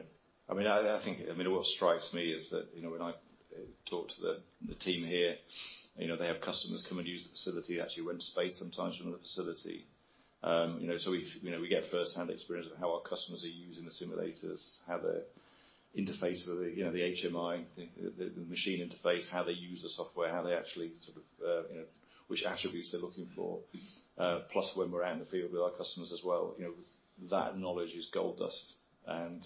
I mean, I think, I mean, what strikes me is that, you know, when I talk to the team here, you know, they have customers come and use the facility, actually rent space sometimes from the facility. you know, we, you know, we get first-hand experience of how our customers are using the simulators, how the interface with the, you know, the HMI, the machine interface, how they use the software, how they actually sort of, you know, which attributes they're looking for. When we're out in the field with our customers as well, you know, that knowledge is gold dust.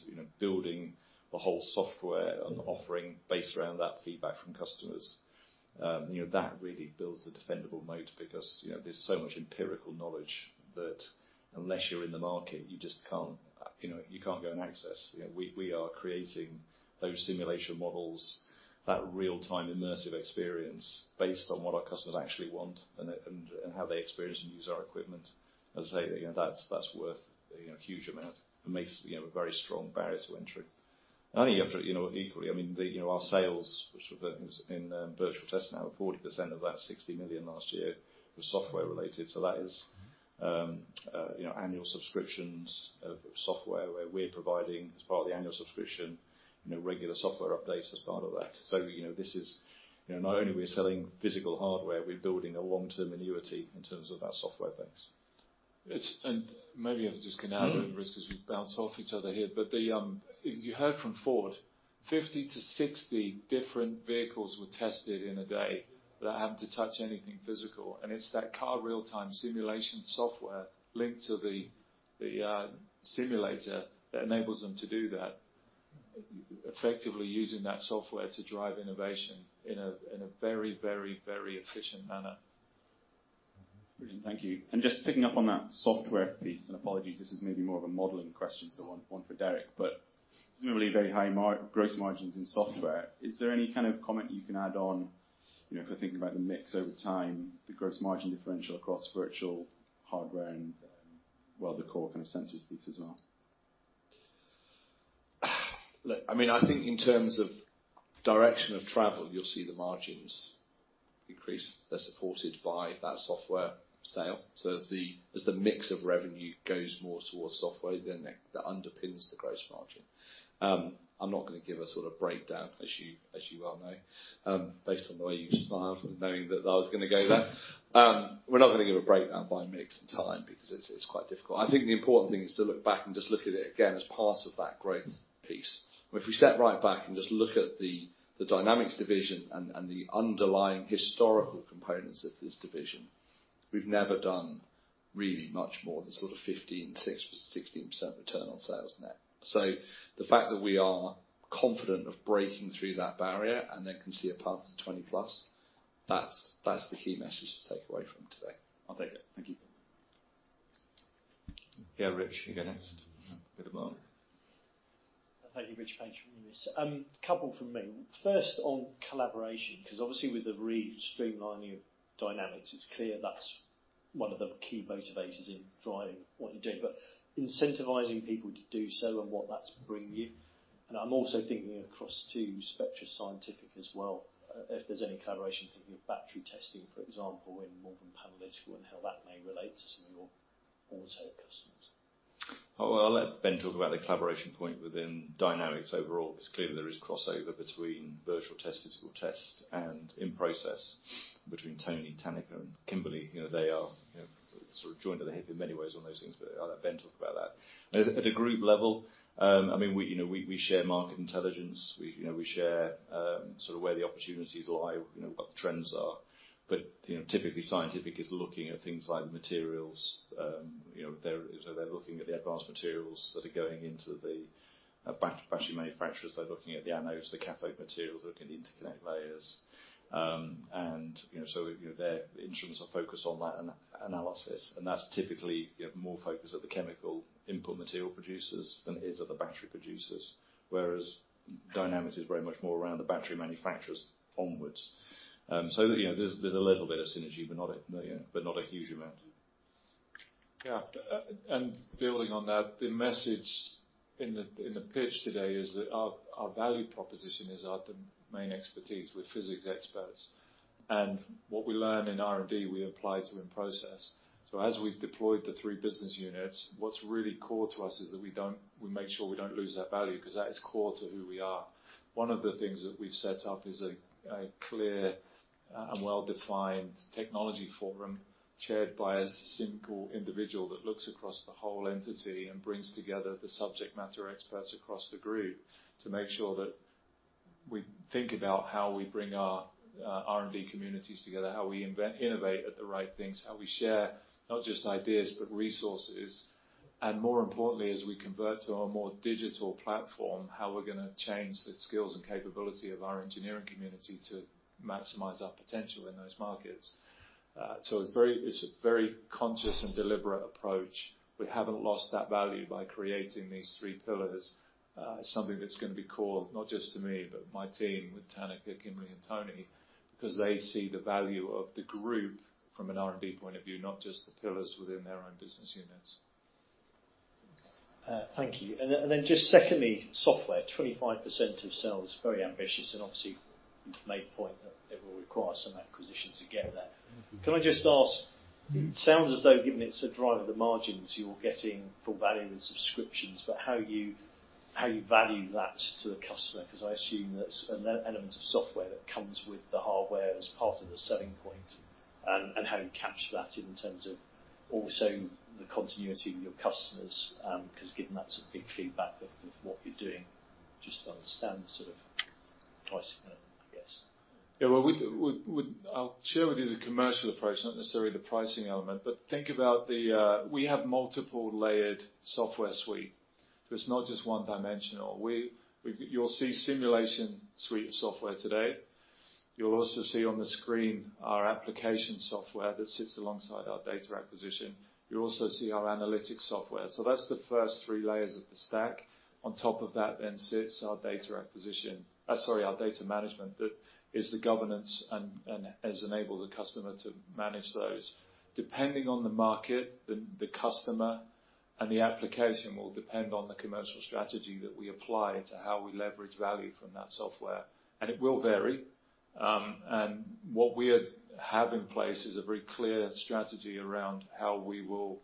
You know, building the whole software and offering based around that feedback from customers, you know, that really builds the defendable moat because, you know, there's so much empirical knowledge that unless you're in the market, you just can't, you know, you can't go and access. You know, we are creating those simulation models, that real-time immersive experience based on what our customers actually want and, and how they experience and use our equipment. As I say, you know, that's worth, you know, a huge amount. It makes, you know, a very strong barrier to entry. Not only after it, you know, equally, I mean, the, you know, our sales, which were in virtual test now, 40% of that 60 million last year was software related, that is, you know, annual subscriptions of software where we're providing, as part of the annual subscription, you know, regular software updates as part of that. You know, this is. You know, not only we're selling physical hardware, we're building a long-term annuity in terms of our software base. Maybe I'll just come out and risk as we bounce off each other here. You heard from Ford, 50 to 60 different vehicles were tested in a day without having to touch anything physical. It's that car real-time simulation software linked to the simulator that enables them to do that, effectively using that software to drive innovation in a very, very, very efficient manner. Thank you. Just picking up on that software piece, and apologies, this is maybe more of a modeling question, so one for Derek, but generally very high gross margins in software. Is there any kind of comment you can add on, you know, if we're thinking about the mix over time, the gross margin differential across virtual hardware and, well, the core kind of sensors piece as well? Look, I mean, I think in terms of direction of travel, you'll see the margins increase. They're supported by that software sale. As the mix of revenue goes more towards software, then that underpins the gross margin. I'm not gonna give a sort of breakdown, as you well know, based on the way you smiled, knowing that I was gonna go there. We're not gonna give a breakdown by mix and time because it's quite difficult. I think the important thing is to look back and just look at it again as part of that growth piece. If we step right back and just look at the Dynamics Division and the underlying historical components of this Division, we've never done really much more than sort of 15%-16% return on sales net. The fact that we are confident of breaking through that barrier and then can see a path to 20+, that's the key message to take away from today. I'll take it. Thank you. Yeah, Rich, you go next. Go to Mark. Thank you. Richard Paige from Liberum. A couple from me. First, on collaboration, 'cause obviously with the re-streamlining of Dynamics, it's clear that's one of the key motivators in driving what you're doing, but incentivizing people to do so and what that's bringing you. I'm also thinking across to Spectris Scientific as well, if there's any collaboration, thinking of battery testing, for example, in Malvern Panalytical and how that may relate to some of your auto customers. I, well, I'll let Ben talk about the collaboration point within Spectris Dynamics overall. It's clear there is crossover between Virtual Test, Physical Test, and In-Process between Tony, Tanneke, and Kimberly. You know, they are, you know, sort of joined at the hip in many ways on those things, but I'll let Ben talk about that. At a, at a group level, I mean, we, you know, we share market intelligence. We, you know, we share, sort of where the opportunities lie, you know, what the trends are. You know, typically, Spectris Scientific is looking at things like materials. You know, they're, so they're looking at the advanced materials that are going into the battery manufacturers. They're looking at the anodes, the cathode materials, they're looking at interconnect layers. You know, so, you know, their interests are focused on that analysis, and that's typically, you know, more focused at the chemical input material producers than it is at the battery producers. Whereas Dynamics is very much more around the battery manufacturers onwards. You know, there's a little bit of synergy, but not a million, but not a huge amount. Yeah, building on that, the message in the pitch today is that our value proposition is our the main expertise. We're physics experts, and what we learn in R&D, we apply to in process. As we've deployed the three business units, what's really core to us is that we make sure we don't lose that value because that is core to who we are. One of the things that we've set up is a clear and well-defined technology forum, chaired by a simple individual that looks across the whole entity and brings together the subject matter experts across the group to make sure that we think about how we bring our R&D communities together, how we invent, innovate at the right things, how we share not just ideas, but resources. More importantly, as we convert to our more digital platform, how we're gonna change the skills and capability of our engineering community to maximize our potential in those markets. It's a very conscious and deliberate approach. We haven't lost that value by creating these three pillars. It's something that's gonna be core, not just to me, but my team, with Tanneke, Kimberly, and Tony, because they see the value of the group from an R&D point of view, not just the pillars within their own business units. Thank you. Just secondly, software, 25% of sales, very ambitious, and obviously, you've made a point that it will require some acquisitions to get there. Can I just ask: It sounds as though, given it's a drive of the margins, you're getting full value in subscriptions, how you value that to the customer, I assume that's an element of software that comes with the hardware as part of the selling point, and how you capture that in terms of also the continuity with your customers. Given that's a big feedback loop of what you're doing, just to understand the sort of pricing, I guess. Yeah, well, I'll share with you the commercial approach, not necessarily the pricing element. We have multiple layered software suite. It's not just one-dimensional. You'll see simulation suite of software today. You'll also see on the screen our application software that sits alongside our data acquisition. You'll also see our analytics software. That's the first three layers of the stack. On top of that, then, sits our data management, that is the governance and has enabled the customer to manage those. Depending on the market, the customer and the application will depend on the commercial strategy that we apply to how we leverage value from that software, and it will vary. What we have in place is a very clear strategy around how we will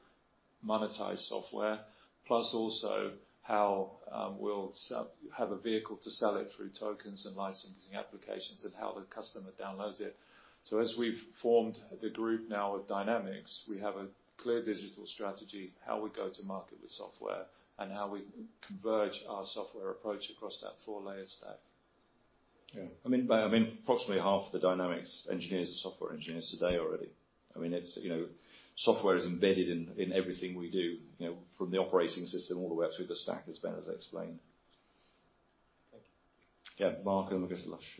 monetize software, plus also how, we'll have a vehicle to sell it through tokens and licensing applications, and how the customer downloads it. As we've formed the group now with Spectris Dynamics, we have a clear digital strategy, how we go to market with software, and how we converge our software approach across that four-layer stack. Yeah. I mean, approximately half the Dynamics engineers are software engineers today already. I mean, it's, you know, software is embedded in everything we do, you know, from the operating system all the way up through the stack, as Ben has explained. Thank you. Yeah, Mark, and we'll get to Lush.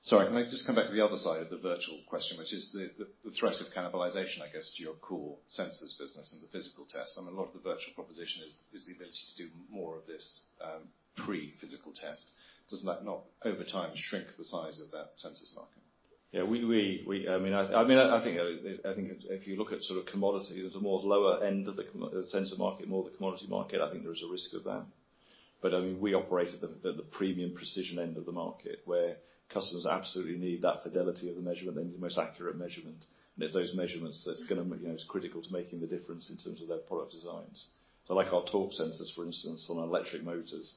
Sorry, can I just come back to the other side of the virtual question, which is the threat of cannibalization, I guess, to your core sensors business and the physical test. I mean, a lot of the virtual proposition is the ability to do more of this pre-physical test. Does that not, over time, shrink the size of that sensors market? Yeah, we I mean, I think if you look at sort of commodity, the more lower end of the sensor market, more the commodity market, I think there is a risk of that. I mean, we operate at the premium precision end of the market, where customers absolutely need that fidelity of the measurement. They need the most accurate measurement, and it's those measurements that's gonna, you know, is critical to making the difference in terms of their product designs. Like our torque sensors, for instance, on our electric motors,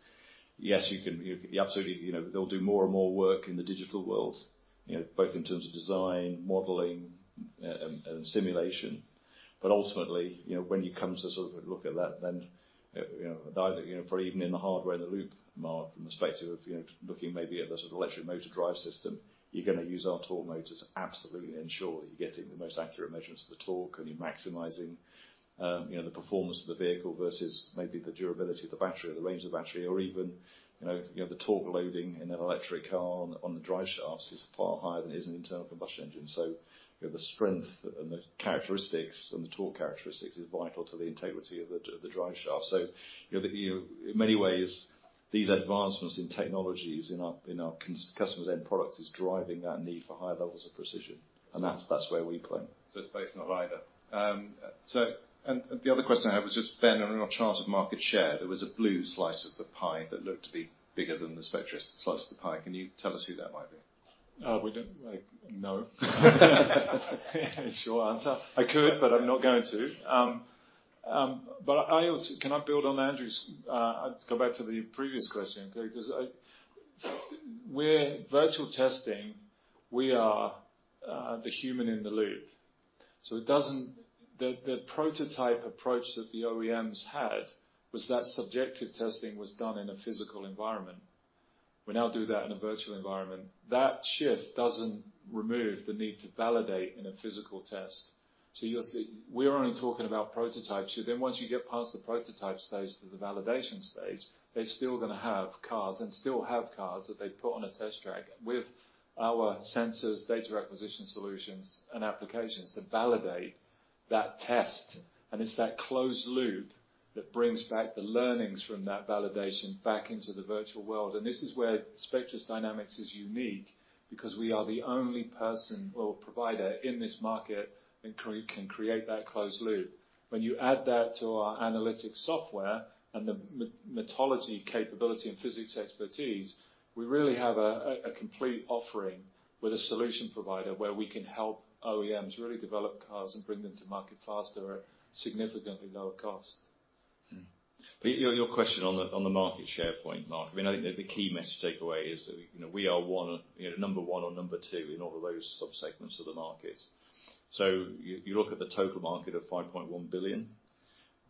yes, you can. You absolutely, you know, they'll do more and more work in the digital world, you know, both in terms of design, modeling, and simulation. Ultimately, you know, when it comes to sort of look at that, then, you know, either, you know, for even in the hardware-in-the-loop, Mark, from the perspective of, you know, looking maybe at the sort of electric motor drive system, you're gonna use our torque motors to absolutely ensure that you're getting the most accurate measurements of the torque, and you're maximizing, you know, the performance of the vehicle versus maybe the durability of the battery or the range of the battery, or even, you know, the torque loading in an electric car on the drive shafts is far higher than it is in an internal combustion engine. You know, the strength and the characteristics and the torque characteristics is vital to the integrity of the drive shaft. you know, you, in many ways, these advancements in technologies in our customers' end products is driving that need for higher levels of precision, and that's where we play. It's both, not either. The other question I had was just, Ben, on your chart of market share, there was a blue slice of the pie that looked to be bigger than the Spectris slice of the pie. Can you tell us who that might be? We don't... no is your answer. I could, but I'm not going to. But I also, can I build on Andrew's... Let's go back to the previous question, okay? Because where virtual testing, we are the human in the loop, so it doesn't. The prototype approach that the OEMs had was that subjective testing was done in a physical environment. We now do that in a virtual environment. That shift doesn't remove the need to validate in a physical test. You'll see, we're only talking about prototypes. Once you get past the prototype stage to the validation stage, they're still gonna have cars that they put on a test track with our sensors, data acquisition solutions, and applications to validate that test. It's that closed loop that brings back the learnings from that validation back into the virtual world. This is where Spectris Dynamics is unique, because we are the only person or provider in this market that can create that closed loop. When you add that to our analytic software and the metrology capability and physics expertise, we really have a complete offering with a solution provider, where we can help OEMs really develop cars and bring them to market faster at significantly lower cost. Your question on the, on the market share point, Mark, I mean, I think that the key message takeaway is that, you know, we are one of number one or number two in all of those subsegments of the markets. You, you look at the total market of 5.1 billion,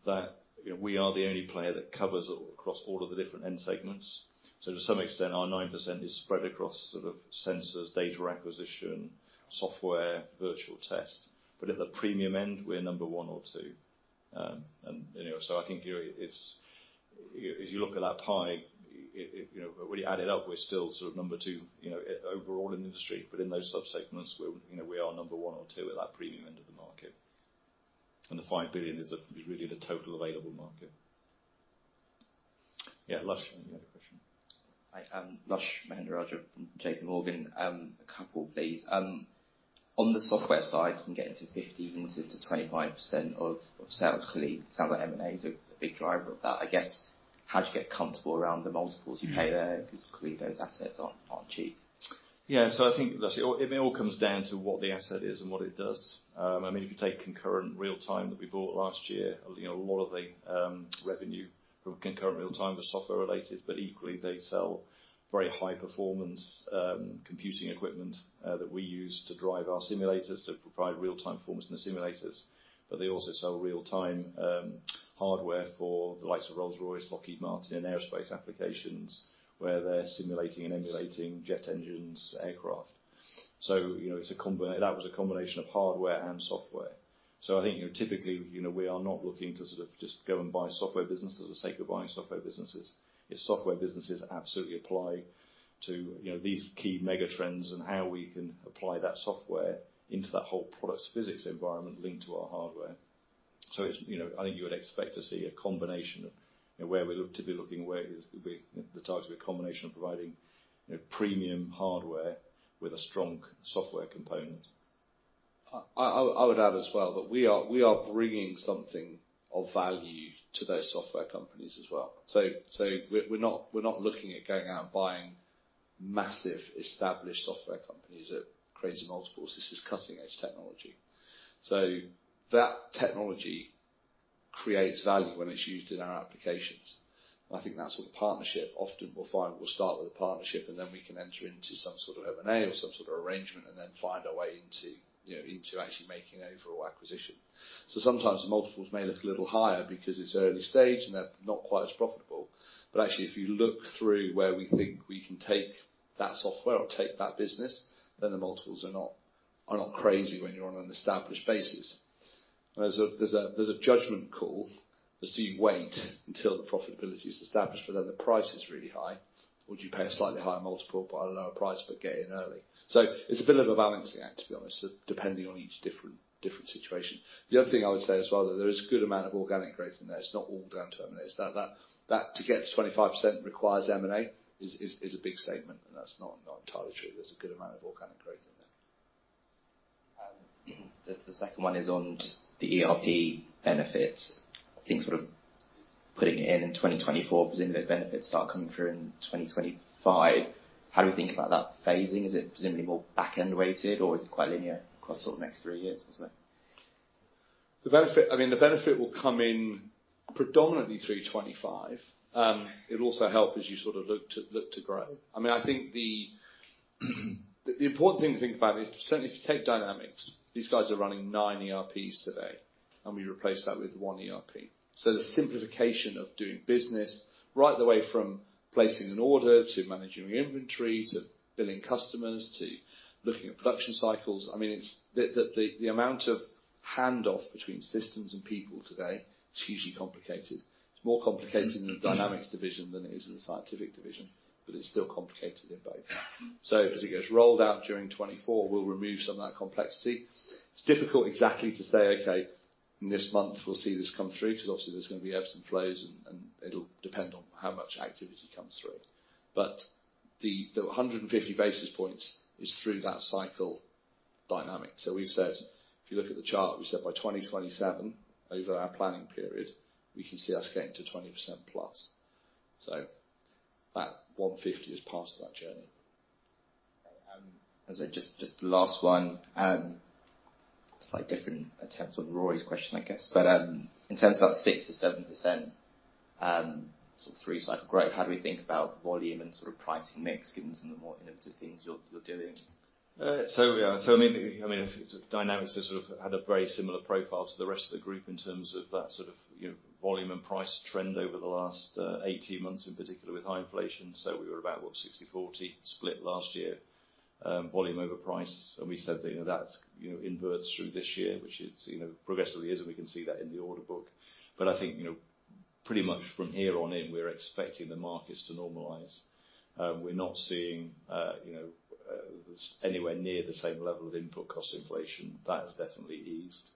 that, you know, we are the only player that covers all, across all of the different end segments. To some extent, our 9% is spread across sort of sensors, data acquisition, software, virtual test. At the premium end, we're number one or two. And, you know, I think, you know, it's As you look at that pie, it, you know, when you add it up, we're still sort of number two, you know, overall in the industry. In those subsegments, we're, you know, we are number one or two at that premium end of the market. The 5 billion is really the total available market. Yeah, Lush, you had a question. Hi, Lushanthan Mahendrarajah from J.P. Morgan. A couple, please. On the software side, you can get into 50, even to 25% of sales. Clearly, sounds like M&A is a big driver of that. I guess, how do you get comfortable around the multiples you pay there? Because clearly, those assets aren't cheap. Yeah, I think that's it all comes down to what the asset is and what it does. I mean, if you take Concurrent Real-Time that we bought last year, you know, a lot of the revenue from Concurrent Real-Time was software related, but equally, they sell very high-performance computing equipment that we use to drive our simulators to provide real-time performance in the simulators. They also sell real-time hardware for the likes of Rolls-Royce, Lockheed Martin, and aerospace applications, where they're simulating and emulating jet engines, aircraft. You know, that was a combination of hardware and software. I think, you know, typically, you know, we are not looking to sort of just go and buy software business for the sake of buying software businesses. If software businesses absolutely apply to, you know, these key mega trends and how we can apply that software into that whole product's physics environment linked to our hardware. It's, you know, I think you would expect to see a combination of where we're typically looking, where is the target a combination of providing, you know, premium hardware with a strong software component. I would add as well, that we are bringing something of value to those software companies as well. We're not looking at going out and buying massive established software companies at crazy multiples. This is cutting-edge technology. That technology creates value when it's used in our applications. I think that's what the partnership often will find. We'll start with a partnership, and then we can enter into some sort of M&A or some sort of arrangement, and then find our way into, you know, into actually making an overall acquisition. Sometimes the multiples may look a little higher because it's early stage, and they're not quite as profitable. Actually, if you look through where we think we can take that software or take that business, then the multiples are not crazy when you're on an established basis. There's a judgment call as to do you wait until the profitability is established, but then the price is really high, or do you pay a slightly higher multiple, but a lower price, but get in early? It's a bit of a balancing act, to be honest, depending on each different situation. The other thing I would say as well, that there is a good amount of organic growth in there. It's not all down to M&A. It's that to get to 25% requires M&A is a big statement, and that's not entirely true. There's a good amount of organic growth in there. The second one is on just the ERP benefits. I think sort of putting it in 2024, presumably those benefits start coming through in 2025. How do you think about that phasing? Is it presumably more back-end weighted, or is it quite linear across sort of next 3 years or so? The benefit, I mean, the benefit will come in predominantly through 2025. It'll also help as you sort of look to grow. I mean, I think the important thing to think about is, certainly if you take Dynamics, these guys are running 9 ERPs today, and we replace that with 1 ERP. The simplification of doing business, right the way from placing an order, to managing your inventory, to billing customers, to looking at production cycles, I mean, it's the amount of handoff between systems and people today, it's usually complicated. It's more complicated in the Dynamics division than it is in the Scientific division, but it's still complicated in both. As it gets rolled out during 2024, we'll remove some of that complexity. It's difficult exactly to say, "Okay, in this month, we'll see this come through," because obviously there's going to be ebbs and flows, and it'll depend on how much activity comes through. The 150 basis points is through that cycle dynamic. We've said if you look at the chart, we said by 2027, over our planning period, we can see us getting to 20% plus. That 150 is part of that journey. As I just the last one, slightly different attempt on Rory's question, I guess, but, in terms of that 6%-7%, sort of three-cycle growth, how do we think about volume and sort of pricing mix, given some of the more innovative things you're doing? Yeah. I mean, Dynamics has sort of had a very similar profile to the rest of the group in terms of that sort of, you know, volume and price trend over the last 18 months, in particular with high inflation. We were about, what, 60/40 split last year, volume over price, and we said that, you know, that's, you know, inverts through this year, which it's, you know, progressively is, and we can see that in the order book. I think, you know, pretty much from here on in, we're expecting the markets to normalize. We're not seeing, anywhere near the same level of input cost inflation. That has definitely eased.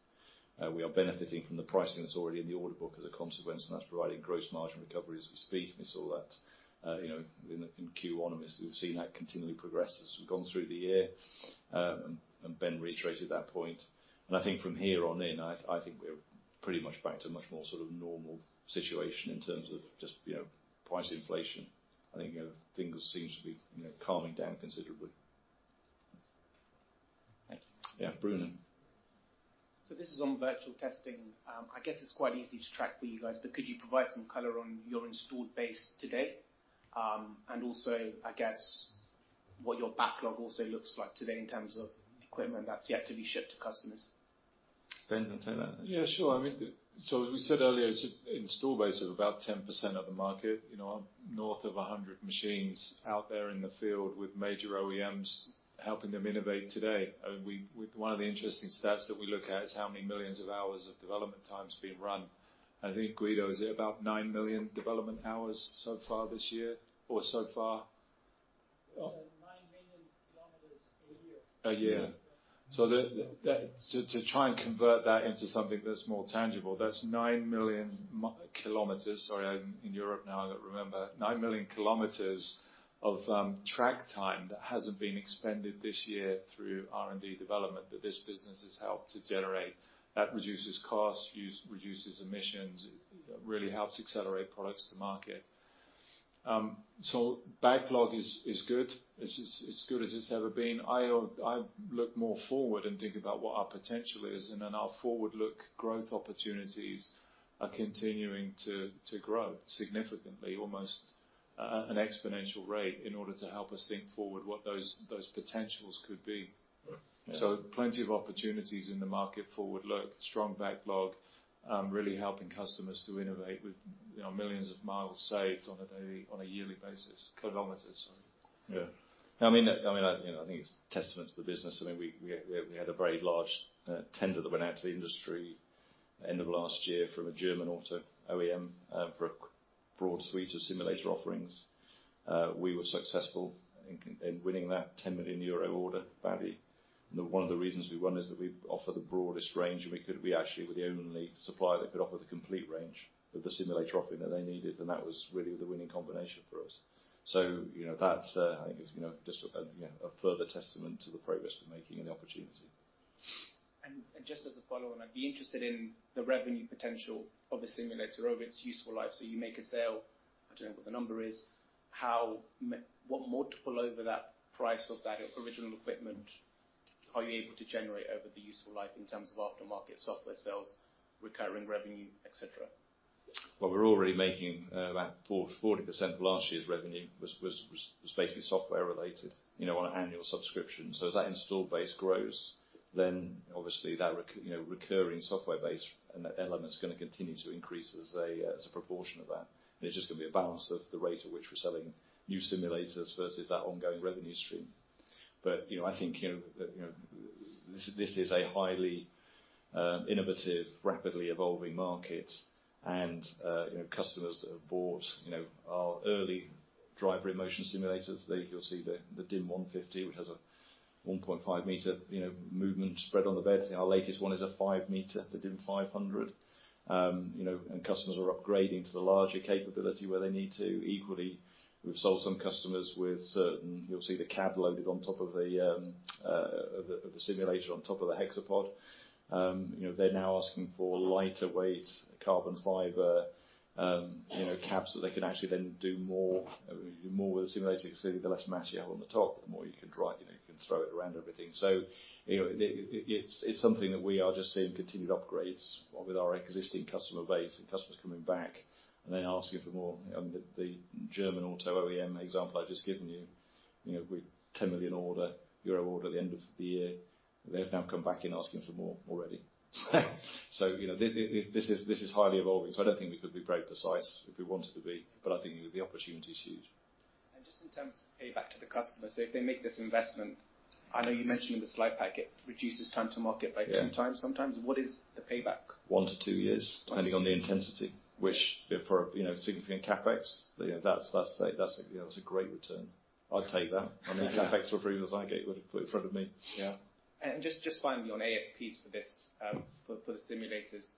We are benefiting from the pricing that's already in the order book as a consequence, and that's providing gross margin recovery as we speak. We saw that, you know, in Q1, we've seen that continually progress as we've gone through the year. Ben reiterated that point. I think from here on in, I think we're pretty much back to a much more sort of normal situation in terms of just, you know, price inflation. I think, you know, things seem to be, you know, calming down considerably. Thank you. Yeah, Bruno. This is on virtual testing. I guess it's quite easy to track for you guys, but could you provide some color on your installed base today? I guess, what your backlog also looks like today in terms of equipment that's yet to be shipped to customers. Ben, do you want to take that? Yeah, sure. I mean, as we said earlier, install base is about 10% of the market, you know, north of 100 machines out there in the field with major OEMs, helping them innovate today. With one of the interesting stats that we look at is how many millions of hours of development time is being run. I think, Guido, is it about 9 million development hours so far this year or so far? a year. The, to try and convert that into something that's more tangible, that's 9 million kilometers. Sorry, I'm in Europe now, I've got to remember. 9 million kilometers of track time that hasn't been expended this year through R&D development, that this business has helped to generate. That reduces costs, reduces emissions, it really helps accelerate products to market. Backlog is good. It's as good as it's ever been. I look more forward and think about what our potential is, and then our forward-look growth opportunities are continuing to grow significantly, almost at an exponential rate, in order to help us think forward what those potentials could be. Right. Plenty of opportunities in the market forward look. Strong backlog, really helping customers to innovate with, you know, millions of miles saved on a yearly basis. Kilometers, sorry. Yeah. I mean, you know, I think it's testament to the business. I mean, we had a very large tender that went out to the industry end of last year from a German auto OEM, for a broad suite of simulator offerings. We were successful in winning that 10 million euro order value. One of the reasons we won is that we offer the broadest range, and we actually were the only supplier that could offer the complete range of the simulator offering that they needed, and that was really the winning combination for us. you know, that's, I think is, you know, just, you know, a further testament to the progress we're making and the opportunity. Just as a follow-on, I'd be interested in the revenue potential of the simulator over its useful life. You make a sale, I don't know what the number is, what multiple over that price of that original equipment are you able to generate over the useful life in terms of aftermarket software sales, recurring revenue, et cetera? Well, we're already making about 40% of last year's revenue was basically software related, you know, on an annual subscription. As that install base grows, then obviously that, you know, recurring software base and that element's gonna continue to increase as a proportion of that. It's just gonna be a balance of the rate at which we're selling new simulators versus that ongoing revenue stream. You know, I think, you know, that, you know, this is a highly innovative, rapidly evolving market. You know, customers that have bought, you know, our early driver motion simulators, you'll see the DiM150, which has a 1.5 meter, you know, movement spread on the bed. Our latest one is a 5-meter, the DiM500. You know, customers are upgrading to the larger capability where they need to. Equally, we've sold some customers with You'll see the cab loaded on top of the simulator on top of the hexapod. You know, they're now asking for lighter weight carbon fiber, you know, cabs, so they can actually then do more, more with the simulator. Because the less mass you have on the top, the more you can drive, you know, you can throw it around and everything. You know, it's something that we are just seeing continued upgrades with our existing customer base and customers coming back and then asking for more. The German auto OEM example I've just given you know, with 10 million order, euro order at the end of the year, they've now come back and asking for more already. You know, this is highly evolving, so I don't think we could be very precise if we wanted to be, but I think the opportunity is huge. Just in terms of payback to the customers, if they make this investment, I know you mentioned in the slide packet, it reduces time to market by 10 times sometimes. What is the payback? One to two years. 2 years. Depending on the intensity, which for, you know, significant CapEx, you know, that's a, you know, it's a great return. I'd take that. Yeah. I mean, CapEx approvals I get would put in front of me. Yeah. Just finally on ASPs for this, for the simulators,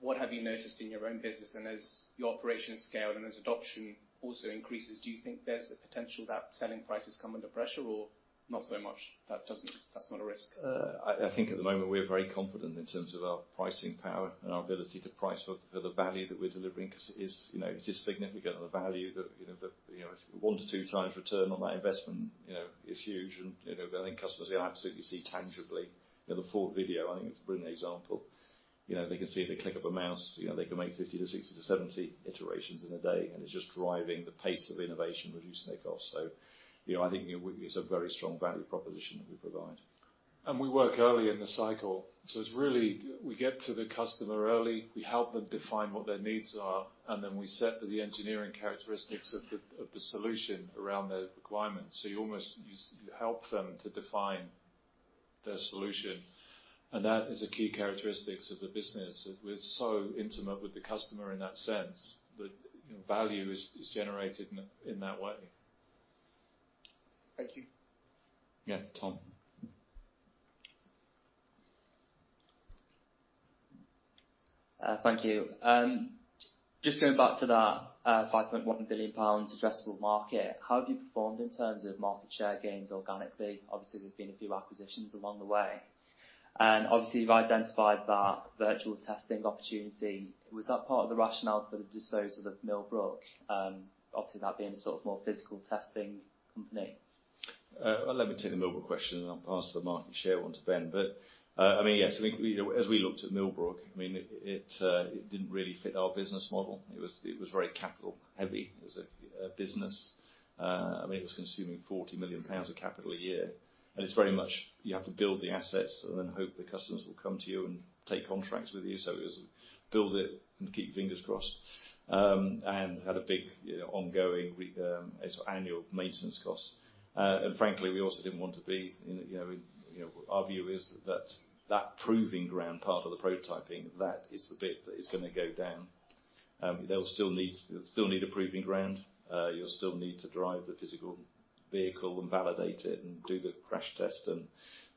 what have you noticed in your own business? As your operation has scaled and as adoption also increases, do you think there's the potential that selling prices come under pressure, or not so much? That's not a risk. I think at the moment, we're very confident in terms of our pricing power and our ability to price for the value that we're delivering. Cause it is, you know, it is significant, the value that, you know, one to two times return on that investment, you know, is huge. I think customers absolutely see tangibly, you know, the Ford video, I think it's a brilliant example. You know, they can see at the click of a mouse, you know, they can make 50 to 60 to 70 iterations in a day, and it's just driving the pace of innovation, reducing their costs. I think it's a very strong value proposition that we provide. We work early in the cycle, so it's really, we get to the customer early, we help them define what their needs are, and then we set the engineering characteristics of the solution around their requirements. You almost, you help them to define their solution, and that is a key characteristics of the business. We're so intimate with the customer in that sense, that, you know, value is generated in that way. Thank you. Yeah, Tom. Thank you. Just going back to that, 5.1 billion pounds addressable market, how have you performed in terms of market share gains organically? Obviously, there have been a few acquisitions along the way. Obviously, you've identified that virtual testing opportunity. Was that part of the rationale for the disposal of Millbrook, obviously, that being a sort of more physical testing company? Let me take the Millbrook question. I'll pass the market share one to Ben. I mean, yes, I think as we looked at Millbrook, I mean, it didn't really fit our business model. It was very capital heavy as a business. I mean, it was consuming 40 million pounds of capital a year. It's very much you have to build the assets and then hope the customers will come to you and take contracts with you. It was build it and keep fingers crossed. Had a big ongoing annual maintenance cost. Frankly, we also didn't want to be, you know, in. Our view is that proving ground, part of the prototyping, that is the bit that is gonna go down. They'll still need a proving ground. You'll still need to drive the physical vehicle and validate it, and do the crash test, and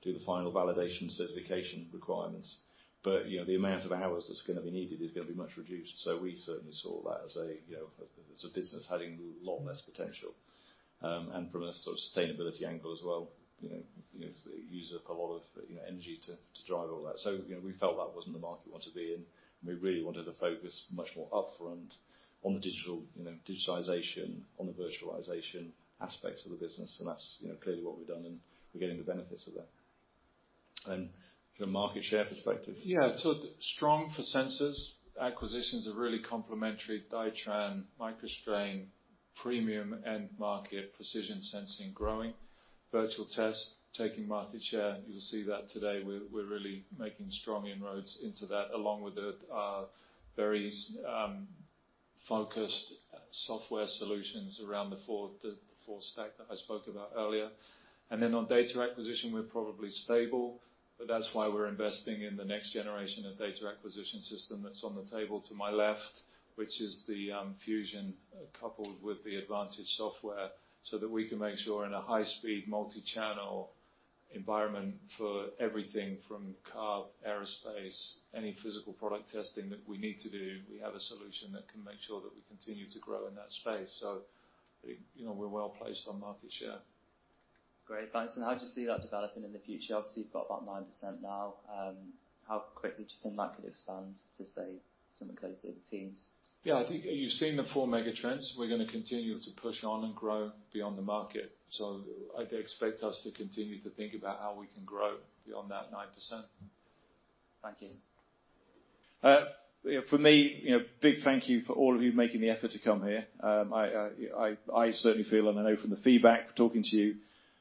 do the final validation certification requirements. You know, the amount of hours that's gonna be needed is gonna be much reduced. We certainly saw that as a, you know, as a business having a lot less potential. From a sort of sustainability angle as well, you know, use up a lot of, you know, energy to drive all that. You know, we felt that wasn't the market we want to be in, and we really wanted to focus much more upfront on the digital, you know, digitization, on the virtualization aspects of the business, and that's, you know, clearly what we've done, and we're getting the benefits of that. From a market share perspective? Strong for sensors. Acquisitions are really complementary. Dytran, MicroStrain, premium end market, precision sensing, growing. Virtual Test, taking market share. You'll see that today we're really making strong inroads into that, along with the very focused software solutions around the four stack that I spoke about earlier. On data acquisition, we're probably stable, but that's why we're investing in the next generation of data acquisition system that's on the table to my left, which is the HBK FUSION, coupled with the HBK ADVANTAGE software, so that we can make sure in a high-speed, multi-channel environment for everything from carb, aerospace, any physical product testing that we need to do, we have a solution that can make sure that we continue to grow in that space. You know, we're well placed on market share. Great. Thanks. How do you see that developing in the future? Obviously, you've got about 9% now. How quickly do you think that could expand to, say, something close to the teens? Yeah, I think you've seen the four mega trends. We're gonna continue to push on and grow beyond the market. I'd expect us to continue to think about how we can grow beyond that 9%. Thank you. For me, you know, big thank you for all of you making the effort to come here. I certainly feel, and I know from the feedback, talking to you,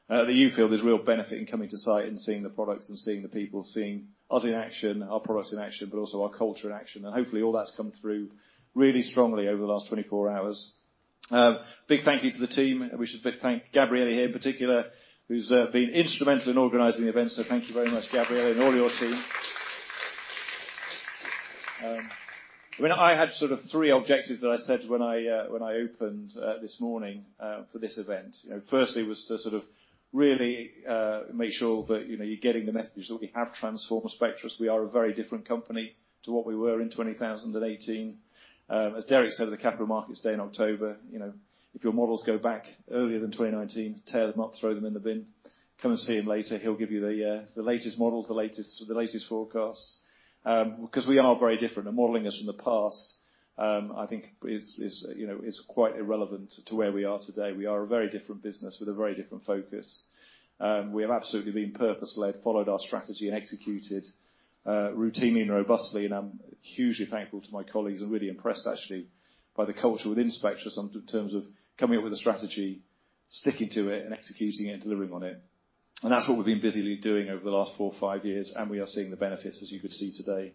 that you feel there's real benefit in coming to site and seeing the products and seeing the people, seeing us in action, our products in action, but also our culture in action. Hopefully, all that's come through really strongly over the last 24 hours. Big thank you to the team. We should big thank Gabrielle here in particular, who's been instrumental in organizing the event. Thank you very much, Gabrielle, and all your team. When I had sort of 3 objectives that I said when I opened this morning for this event. You know, firstly, was to sort of really make sure that, you know, you're getting the message that we have transformed Spectris. We are a very different company to what we were in 2018. As Derek said at the Capital Markets Day in October, you know, if your models go back earlier than 2019, tear them up, throw them in the bin, come and see him later. He'll give you the latest models, the latest forecasts. 'Cause we are very different, and modeling us from the past, I think is, you know, is quite irrelevant to where we are today. We are a very different business with a very different focus. We have absolutely been purpose-led, followed our strategy and executed routinely and robustly. I'm hugely thankful to my colleagues and really impressed, actually, by the culture within Spectris in terms of coming up with a strategy, sticking to it, and executing it, and delivering on it. That's what we've been busily doing over the last 4 or 5 years, and we are seeing the benefits, as you could see today.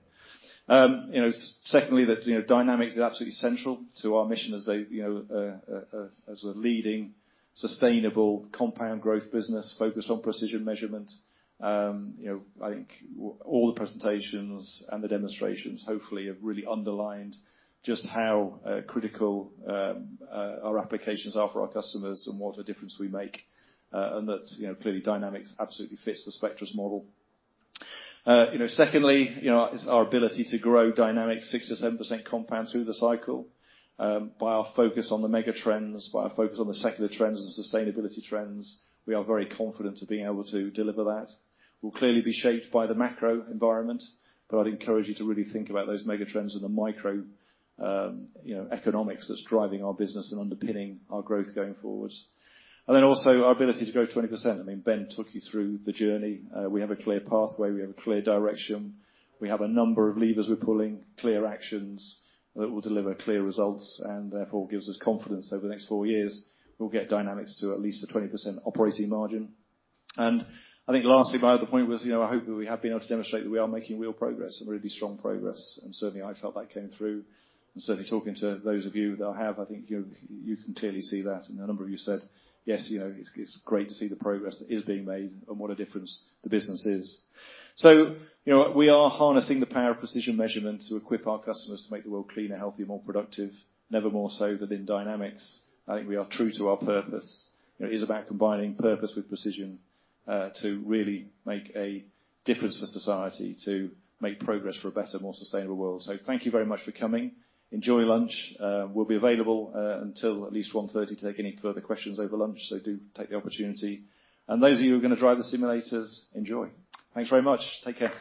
You know, secondly, that, you know, Dynamics is absolutely central to our mission as a, you know, as a leading, sustainable compound growth business focused on precision measurement. You know, I think all the presentations and the demonstrations hopefully have really underlined just how critical our applications are for our customers and what a difference we make, you know, clearly Dynamics absolutely fits the Spectris model. You know, secondly, you know, is our ability to grow Dynamics 6%-7% compound through the cycle by our focus on the mega trends, by our focus on the secular trends and sustainability trends. We are very confident of being able to deliver that. We'll clearly be shaped by the macro environment. I'd encourage you to really think about those mega trends and the micro, you know, economics that's driving our business and underpinning our growth going forward. Also our ability to grow 20%. I mean, Ben took you through the journey. We have a clear pathway, we have a clear direction, we have a number of levers we're pulling, clear actions that will deliver clear results, therefore gives us confidence over the next four years, we'll get Dynamics to at least a 20% operating margin. I think lastly, my other point was, you know, I hope that we have been able to demonstrate that we are making real progress and really strong progress, certainly, I felt that came through. Certainly, talking to those of you that I have, I think you can clearly see that. A number of you said, "Yes, you know, it's great to see the progress that is being made and what a difference the business is." You know, we are harnessing the power of precision measurement to equip our customers to make the world cleaner, healthier, more productive, never more so than in Dynamics. I think we are true to our purpose. You know, it is about combining purpose with precision, to really make a difference for society, to make progress for a better, more sustainable world. Thank you very much for coming. Enjoy lunch. We'll be available until at least 1:30 to take any further questions over lunch, so do take the opportunity. Those of you who are gonna drive the simulators, enjoy. Thanks very much. Take care.